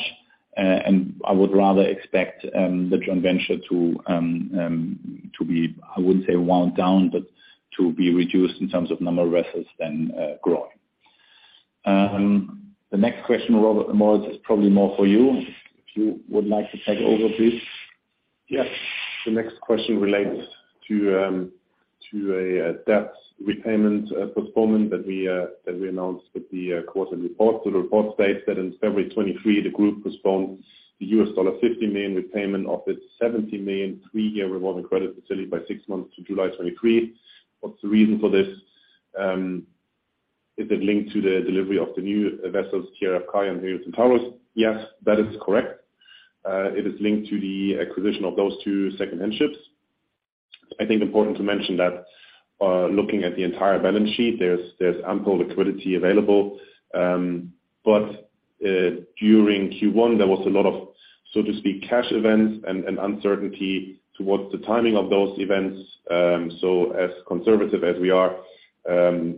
I would rather expect the joint venture to be, I wouldn't say wound down, but to be reduced in terms of number of vessels than growing. The next question, Mortiz, is probably more for you, if you would like to take over, please. Yes. The next question relates to a debt repayment performance that we announced with the quarter report. The report states that in February 2023, the group postponed the $50 million repayment of its $70 million, three-year revolving credit facility by six months to July 2023. What's the reason for this? Is it linked to the delivery of the new vessels, Kiera Kai and AS Palatia? Yes, that is correct. It is linked to the acquisition of those two secondhand ships. I think important to mention that, looking at the entire balance sheet, there's ample liquidity available. During Q1, there was a lot of, so to speak, cash events and uncertainty towards the timing of those events. As conservative as we are,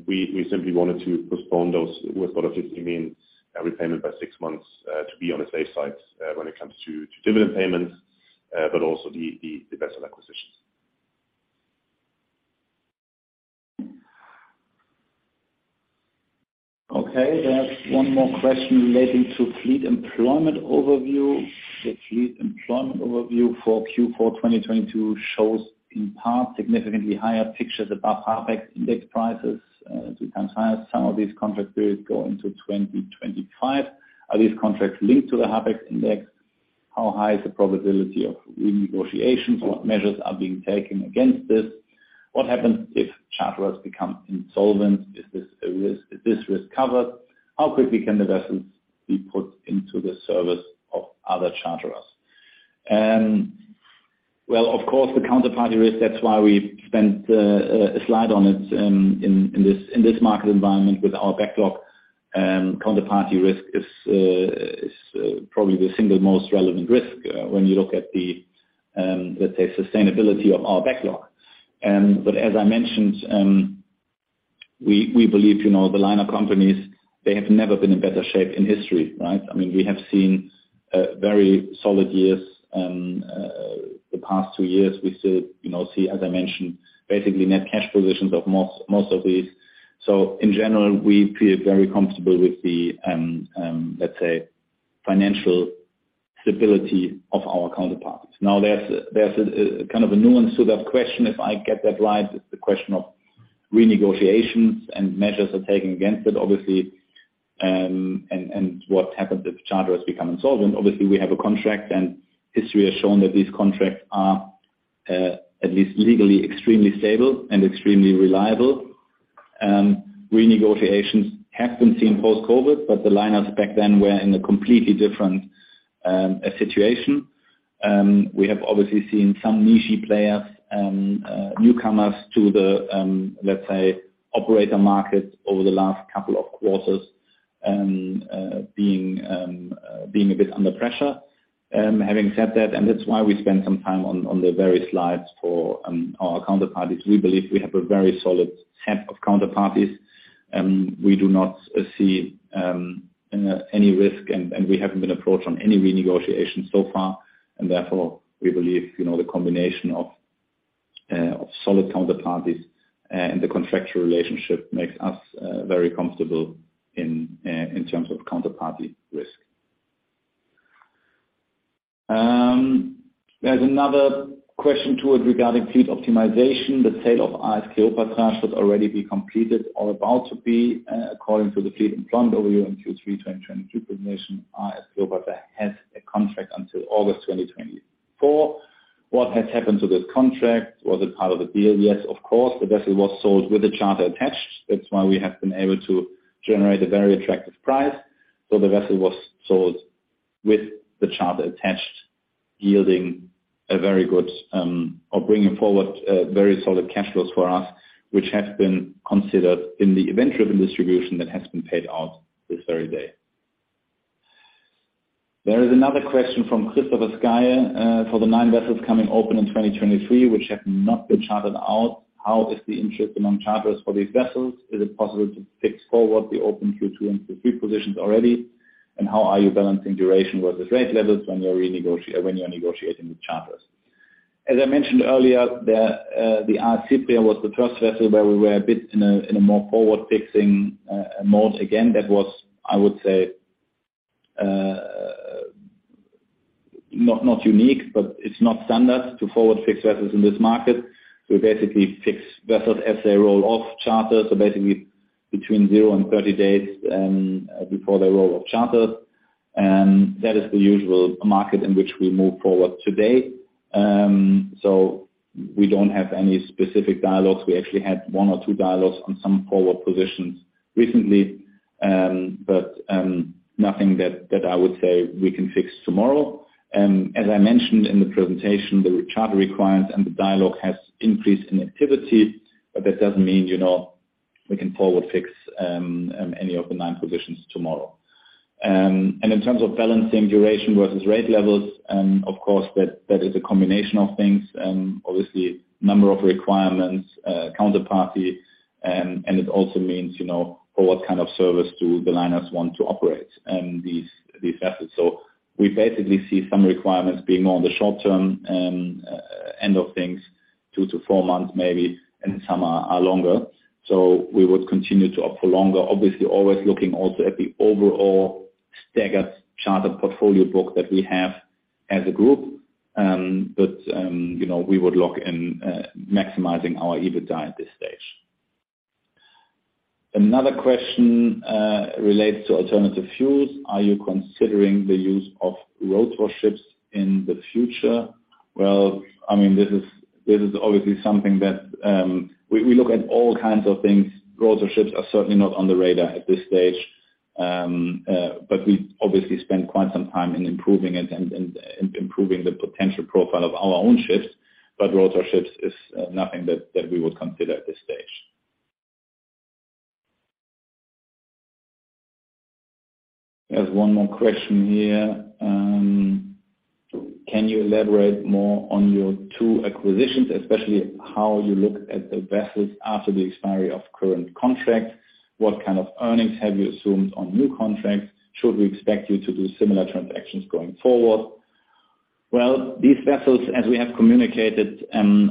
we simply wanted to postpone those $50 million repayment by six months, to be on the safe side, when it comes to dividend payments, but also the vessel acquisitions. Okay. There's one more question relating to fleet employment overview. The fleet employment overview for Q4 2022 shows in part significantly higher pictures above HARPEX index prices, becomes higher. Some of these contract periods go into 2025. Are these contracts linked to the HARPEX index? How high is the probability of renegotiations? What measures are being taken against this? What happens if charterers become insolvent? Is this a risk? Is this risk covered? How quickly can the vessels be put into the service of other charterers? Well, of course, the counterparty risk, that's why we spent a slide on it, in this, in this market environment with our backlog, counterparty risk is probably the single most relevant risk when you look at the, let's say, sustainability of our backlog. But as I mentioned, we believe, you know, the liner companies, they have never been in better shape in history, right? I mean, we have seen very solid years. The past two years, we still, you know, see, as I mentioned, basically net cash positions of most of these. In general, we feel very comfortable with the, let's say, financial stability of our counterparts. Now, there's kind of a nuance to that question, if I get that right. It's the question of renegotiations and measures are taken against it, obviously. What happens if charterers become insolvent. Obviously, we have a contract, and history has shown that these contracts are at least legally extremely stable and extremely reliable. Renegotiations have been seen post-COVID, but the lineups back then were in a completely different situation. We have obviously seen some niche-y players, newcomers to the, let's say, operator market over the last couple of quarters, being a bit under pressure. Having said that, and that's why we spend some time on the various slides for our counterparties. We believe we have a very solid set of counterparties, and we do not see any risk, and we haven't been approached on any renegotiation so far. Therefore, we believe, you know, the combination of solid counterparties and the contractual relationship makes us very comfortable in terms of counterparty risk. There's another question toward regarding fleet optimization. The sale of AS Copia should already be completed or about to be, according to the fleet in front of you in Q3 2023 presentation, AS Copia has a contract until August 2024. What has happened to this contract? Was it part of the deal? Yes, of course. The vessel was sold with the charter attached. That's why we have been able to generate a very attractive price. The vessel was sold with the charter attached, yielding a very good, or bringing forward, very solid cash flows for us, which has been considered in the event-driven distribution that has been paid out this very day. There is another question from Christoffer Sissener, for the nine vessels coming open in 2023, which have not been chartered out, how is the interest among charters for these vessels? Is it possible to fix forward the open Q2 and Q3 positions already? How are you balancing duration versus rate levels when you're negotiating with charters. As I mentioned earlier, the RC trio was the first vessel where we were a bit in a more forward-fixing mode. Again, that was, I would say, not unique, but it's not standard to forward-fix vessels in this market. We basically fix vessels as they roll off charter, so basically between zero and 30 days before they roll off charter. That is the usual market in which we move forward today. We don't have any specific dialogues. We actually had one or two dialogues on some forward positions recently, nothing that I would say we can fix tomorrow. As I mentioned in the presentation, the charter requirements and the dialogue has increased in activity, but that doesn't mean, you know, we can forward-fix any of the nine positions tomorrow. In terms of balancing duration versus rate levels, of course, that is a combination of things. Obviously, number of requirements, counterparty, and it also means, you know, for what kind of service do the liners want to operate these vessels. We basically see some requirements being more on the short-term end of things, two-four months maybe, and some are longer. We would continue to opt for longer, obviously always looking also at the overall staggered charter portfolio book that we have as a group. You know, we would look in maximizing our EBITDA at this stage. Another question relates to alternative fuels. Are you considering the use of rotor ship in the future? Well, I mean, this is obviously something that we look at all kinds of things. Rotor ships are certainly not on the radar at this stage. We obviously spend quite some time in improving it and improving the potential profile of our own ships. Rotor ship is nothing that we would consider at this stage. There's one more question here. Can you elaborate more on your two acquisitions, especially how you look at the vessels after the expiry of current contracts? What kind of earnings have you assumed on new contracts? Should we expect you to do similar transactions going forward? Well, these vessels, as we have communicated,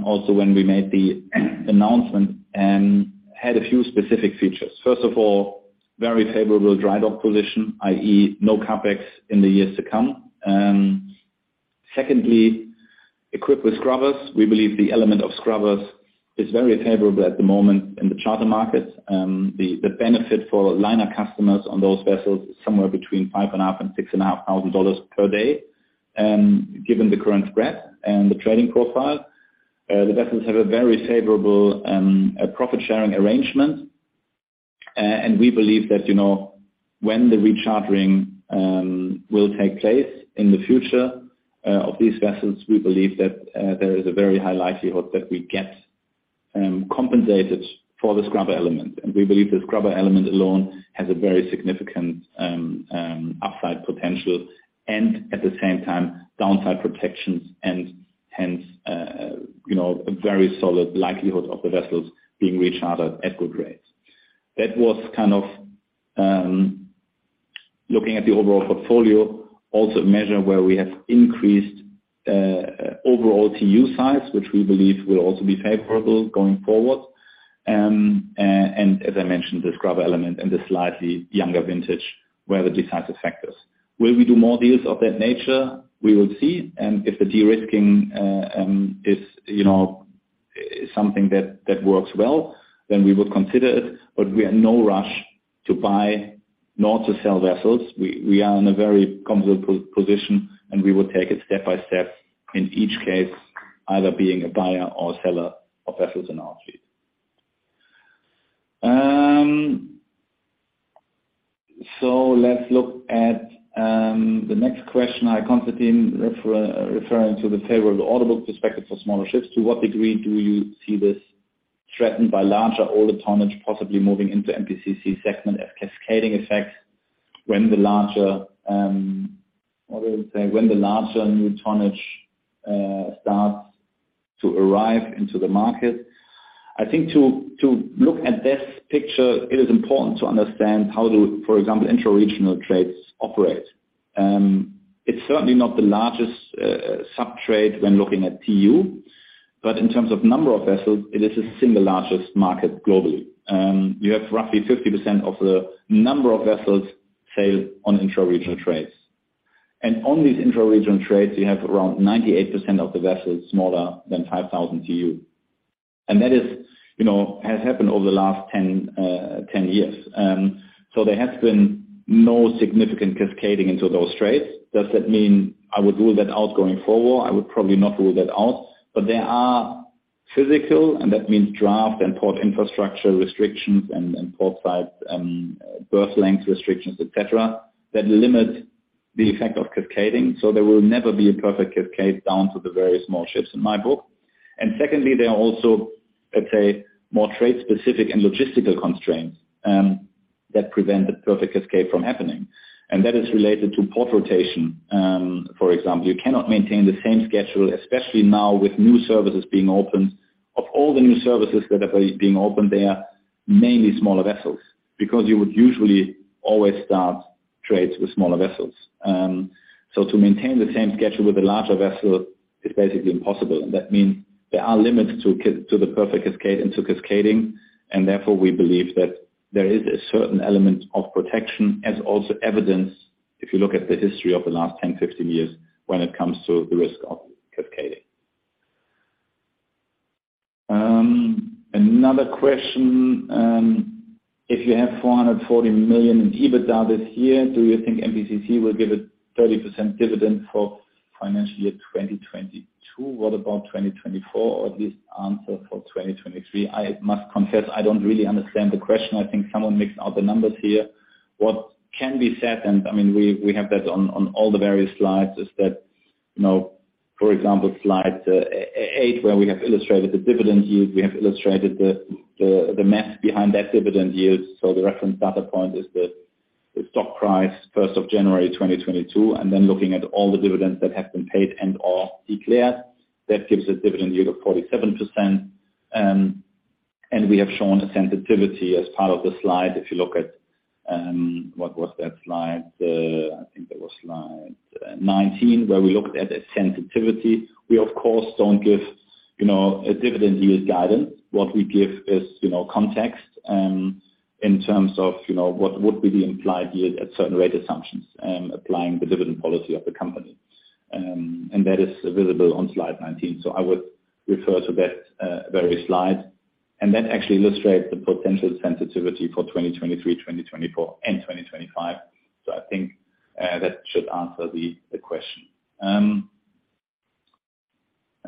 also when we made the announcement, had a few specific features. First of all, very favorable dry dock position, i.e. no CapEx in the years to come. Secondly, equipped with scrubbers. We believe the element of scrubbers is very favorable at the moment in the charter market. The benefit for liner customers on those vessels is somewhere between $5,500-$6,500 per day. Given the current spread and the trading profile, the vessels have a very favorable profit-sharing arrangement. We believe that, you know, when the rechartering will take place in the future, of these vessels, we believe that there is a very high likelihood that we get compensated for the scrubber element. We believe the scrubber element alone has a very significant upside potential and at the same time, downside protections and hence, you know, a very solid likelihood of the vessels being rechartered at good rates. That was kind of, Looking at the overall portfolio, also a measure where we have increased overall TEU size, which we believe will also be favorable going forward. As I mentioned, the scrap element and the slightly younger vintage were the decisive factors. Will we do more deals of that nature? We will see. If the de-risking is, you know, something that works well, then we will consider it. We are in no rush to buy, nor to sell vessels. We are in a very comfortable position. We will take it step by step in each case, either being a buyer or seller of vessels in our fleet. Let's look at the next question.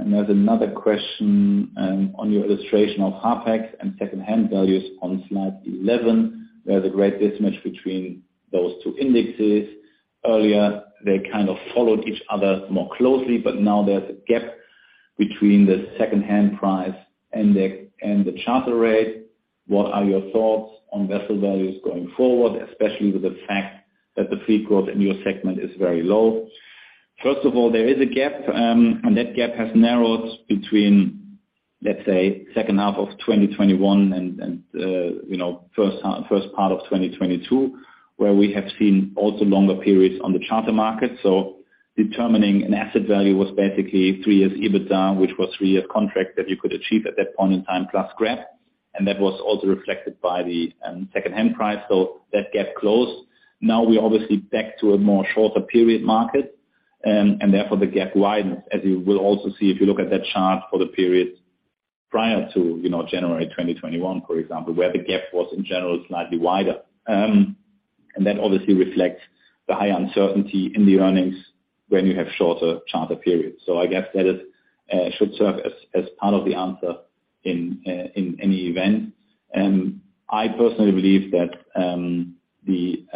Another question on your illustration of HARPEX and secondhand values on slide 11, there's a great mismatch between those two indexes. Earlier, they kind of followed each other more closely, now there's a gap between the secondhand price index and the charter rate. What are your thoughts on vessel values going forward, especially with the fact that the fleet growth in your segment is very low? First of all, there is a gap, and that gap has narrowed between, let's say, second half of 2021 and, you know, first part of 2022, where we have seen also longer periods on the charter market. Determining an asset value was basically three years EBITDA, which was three-year contract that you could achieve at that point in time, plus grab. That was also reflected by the secondhand price. That gap closed. Now we're obviously back to a more shorter period market, therefore the gap widens, as you will also see if you look at that chart for the period prior to, you know, January 2021, for example, where the gap was, in general, slightly wider. That obviously reflects the high uncertainty in the earnings when you have shorter charter periods. I guess that it should serve as part of the answer in any event. I personally believe that the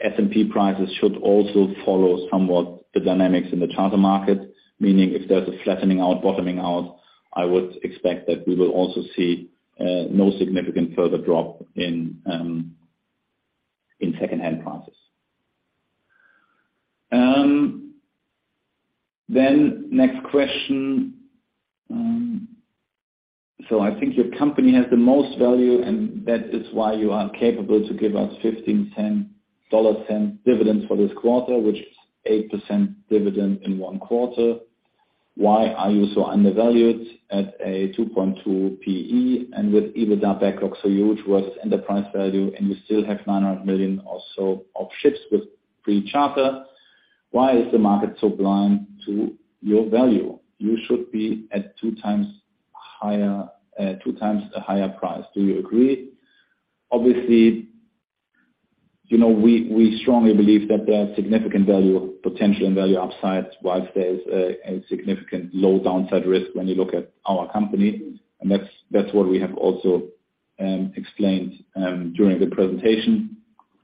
S&P prices should also follow somewhat the dynamics in the charter market, meaning if there's a flattening out, bottoming out, I would expect that we will also see no significant further drop in secondhand prices. Next question. I think your company has the most value, and that is why you are capable to give us $0.15 dividends for this quarter, which is 8% dividend in one quarter. Why are you so undervalued at a 2.2 PE and with EBITDA backlog so huge versus enterprise value, and you still have $900 million or so of ships with pre-charter? Why is the market so blind to your value? You should be at 2x higher, 2x a higher price. Do you agree? Obviously, you know, we strongly believe that there are significant value, potential and value upsides, whilst there is a significant low downside risk when you look at our company, and that's what we have also explained during the presentation.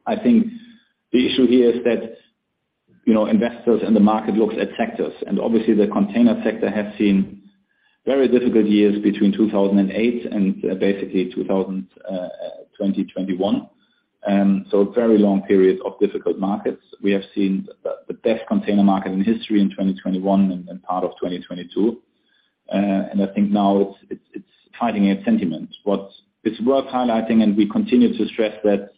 I think the issue here is that, you know, investors and the market looks at sectors, obviously the container sector has seen very difficult years between 2008 and basically 2021. Very long periods of difficult markets. We have seen the best container market in history in 2021 and part of 2022. I think now it's tidying its sentiment. What it's worth highlighting, and we continue to stress that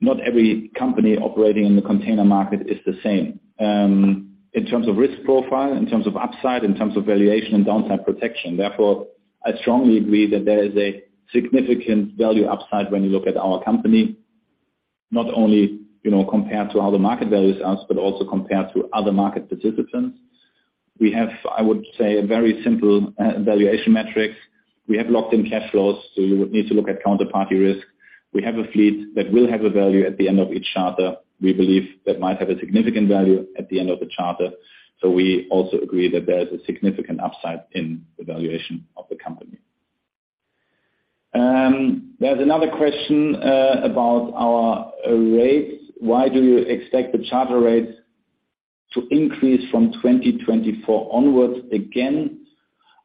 not every company operating in the container market is the same, in terms of risk profile, in terms of upside, in terms of valuation and downside protection. Therefore, I strongly agree that there is a significant value upside when you look at our company, not only, you know, compared to how the market values us, but also compared to other market participants. We have, I would say, a very simple, valuation metric. We have locked in cash flows, you would need to look at counterparty risk. We have a fleet that will have a value at the end of each charter. We believe that might have a significant value at the end of the charter. We also agree that there is a significant upside in the valuation of the company. There's another question about our rates. Why do you expect the charter rates to increase from 2024 onwards? Again,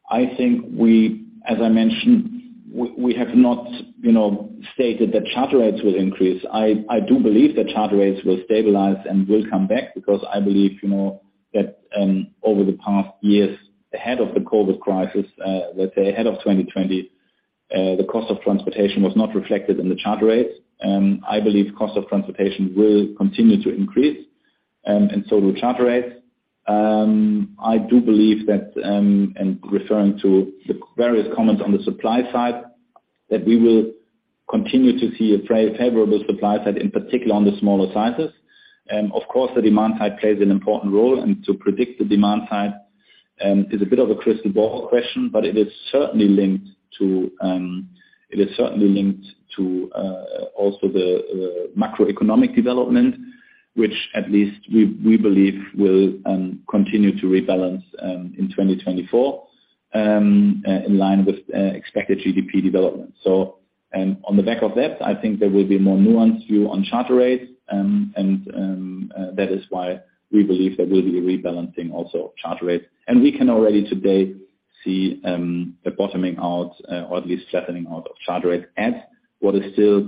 I think we, as I mentioned, we have not, you know, stated that charter rates will increase. I do believe that charter rates will stabilize and will come back because I believe, you know, that over the past years ahead of the COVID crisis, let's say ahead of 2020, the cost of transportation was not reflected in the charter rates. I believe cost of transportation will continue to increase, and so will charter rates. I do believe that in referring to the various comments on the supply side, that we will continue to see a favorable supply side, in particular on the smaller sizes. Of course, the demand side plays an important role and to predict the demand side is a bit of a crystal ball question, but it is certainly linked to also the macroeconomic development, which at least we believe will continue to rebalance in 2024 in line with expected GDP development. On the back of that, I think there will be a more nuanced view on charter rates, and that is why we believe there will be a rebalancing also of charter rates. We can already today see the bottoming out or at least flattening out of charter rates at what is still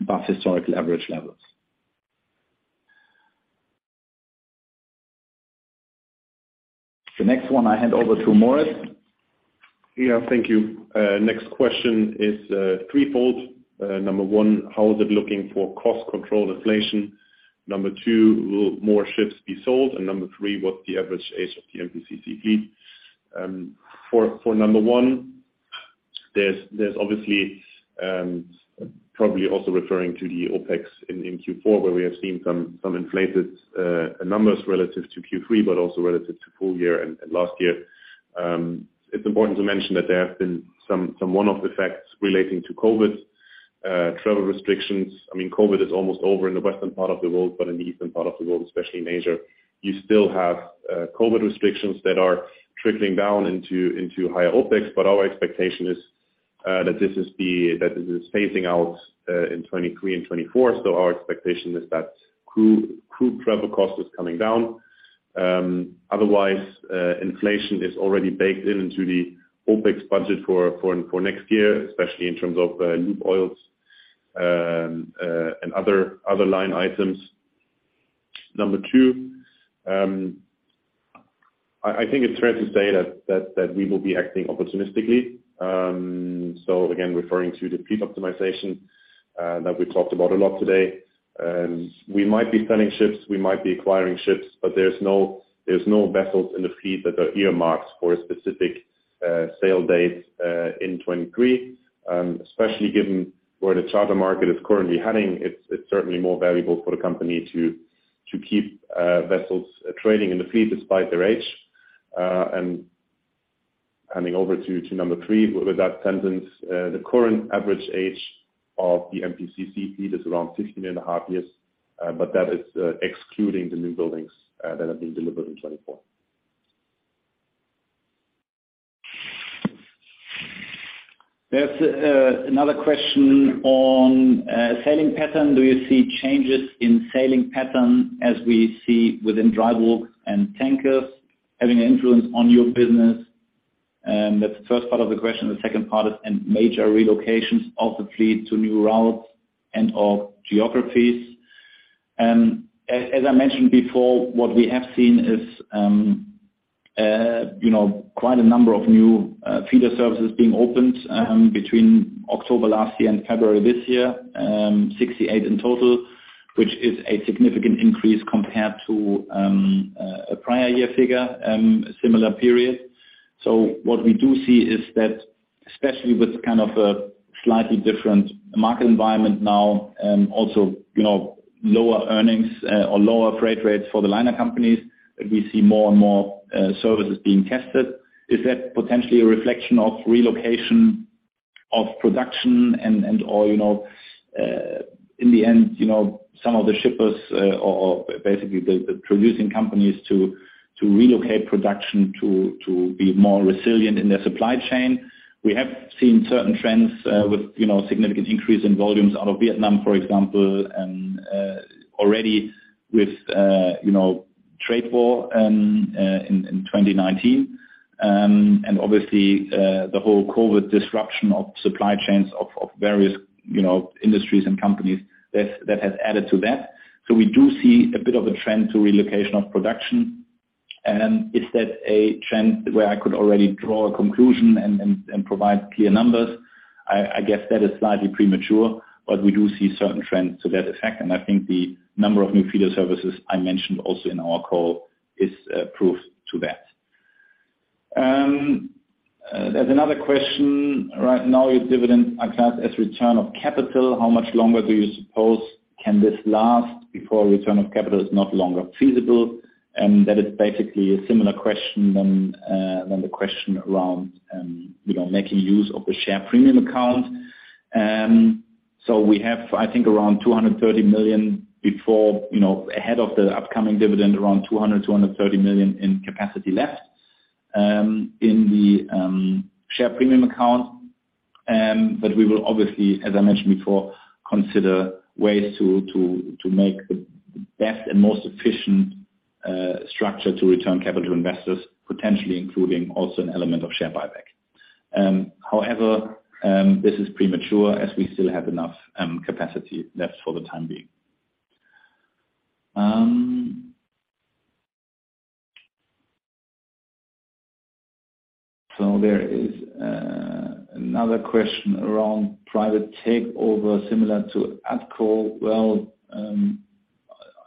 above historical average levels. The next one I hand over to Moritz. Thank you. Next question is threefold. Number one, how is it looking for cost control inflation? Number two, will more ships be sold? Number three, what's the average age of the MPCC fleet? For number one, there's obviously probably also referring to the OpEx in Q4, where we have seen some inflated numbers relative to Q3, but also relative to full year and last year. It's important to mention that there have been some one-off effects relating to COVID travel restrictions. I mean, COVID is almost over in the western part of the world, but in the eastern part of the world, especially in Asia, you still have COVID restrictions that are trickling down into higher OpEx. Our expectation is that this is phasing out in 2023 and 2024. Our expectation is that crew travel cost is coming down. Otherwise, inflation is already baked into the OpEx budget for next year, especially in terms of lube oils and other line items. Number two, I think it's fair to say that we will be acting opportunistically. Again, referring to the fleet optimization that we talked about a lot today, we might be selling ships, we might be acquiring ships, but there's no vessels in the fleet that are earmarked for specific sale dates in 2023. Especially given where the charter market is currently heading, it's certainly more valuable for the company to keep vessels trading in the fleet despite their age. Handing over to number three, with that tendency, the current average age of the MPCC fleet is around 15 and a half years, but that is excluding the new buildings that have been delivered in 2024. There's another question on sailing pattern. Do you see changes in sailing pattern as we see within dry bulk and tankers having an influence on your business? That's the first part of the question. The second part is major relocations of the fleet to new routes and or geographies. As I mentioned before, what we have seen is, you know, quite a number of new feeder services being opened between October last year and February this year. 68 in total, which is a significant increase compared to a prior year figure, similar period. What we do see is that especially with kind of a slightly different market environment now, also, you know, lower earnings or lower freight rates for the liner companies, that we see more and more services being tested. Is that potentially a reflection of relocation of production and or, you know, in the end, you know, some of the shippers, or basically the producing companies to relocate production to be more resilient in their supply chain? We have seen certain trends, with, you know, significant increase in volumes out of Vietnam, for example, and already with, you know, trade war in 2019. Obviously, the whole COVID disruption of supply chains of various, you know, industries and companies that has added to that. We do see a bit of a trend to relocation of production. Is that a trend where I could already draw a conclusion and provide clear numbers? I guess that is slightly premature, but we do see certain trends to that effect. I think the number of new feeder services I mentioned also in our call is proof to that. There's another question. Right now your dividends are classed as return of capital. How much longer do you suppose can this last before return of capital is no longer feasible? That is basically a similar question than the question around, you know, making use of the share premium account. We have, I think, around $230 million before, you know, ahead of the upcoming dividend, around $200 million, $230 million in capacity left in the share premium account. We will obviously, as I mentioned before, consider ways to make the best and most efficient structure to return capital investors, potentially including also an element of share buyback. However, this is premature as we still have enough capacity left for the time being. There is another question around private takeover similar to Atco. Well,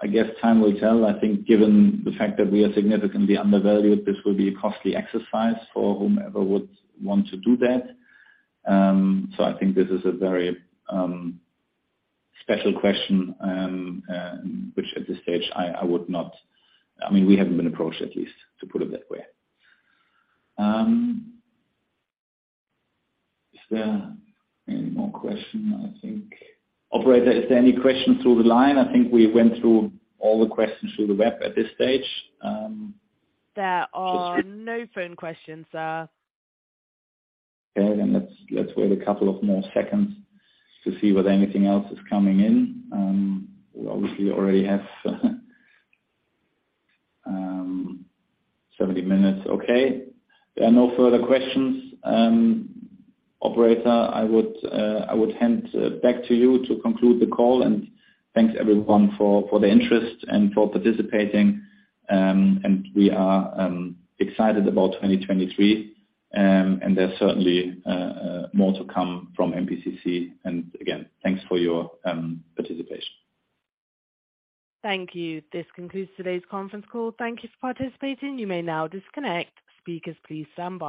I guess time will tell. I think given the fact that we are significantly undervalued, this will be a costly exercise for whomever would want to do that. I think this is a very special question which at this stage I would not, I mean, we haven't been approached at least, to put it that way. Is there any more question? I think. Operator, is there any question through the line? I think we went through all the questions through the web at this stage. There are no phone questions, sir. Okay, let's wait a couple of more seconds to see whether anything else is coming in. We obviously already have 70 minutes. Okay. There are no further questions. Operator, I would hand back to you to conclude the call. Thanks everyone for the interest and for participating. We are excited about 2023. There's certainly more to come from MPCC. Again, thanks for your participation. Thank you. This concludes today's conference call. Thank you for participating. You may now disconnect. Speakers, please stand by.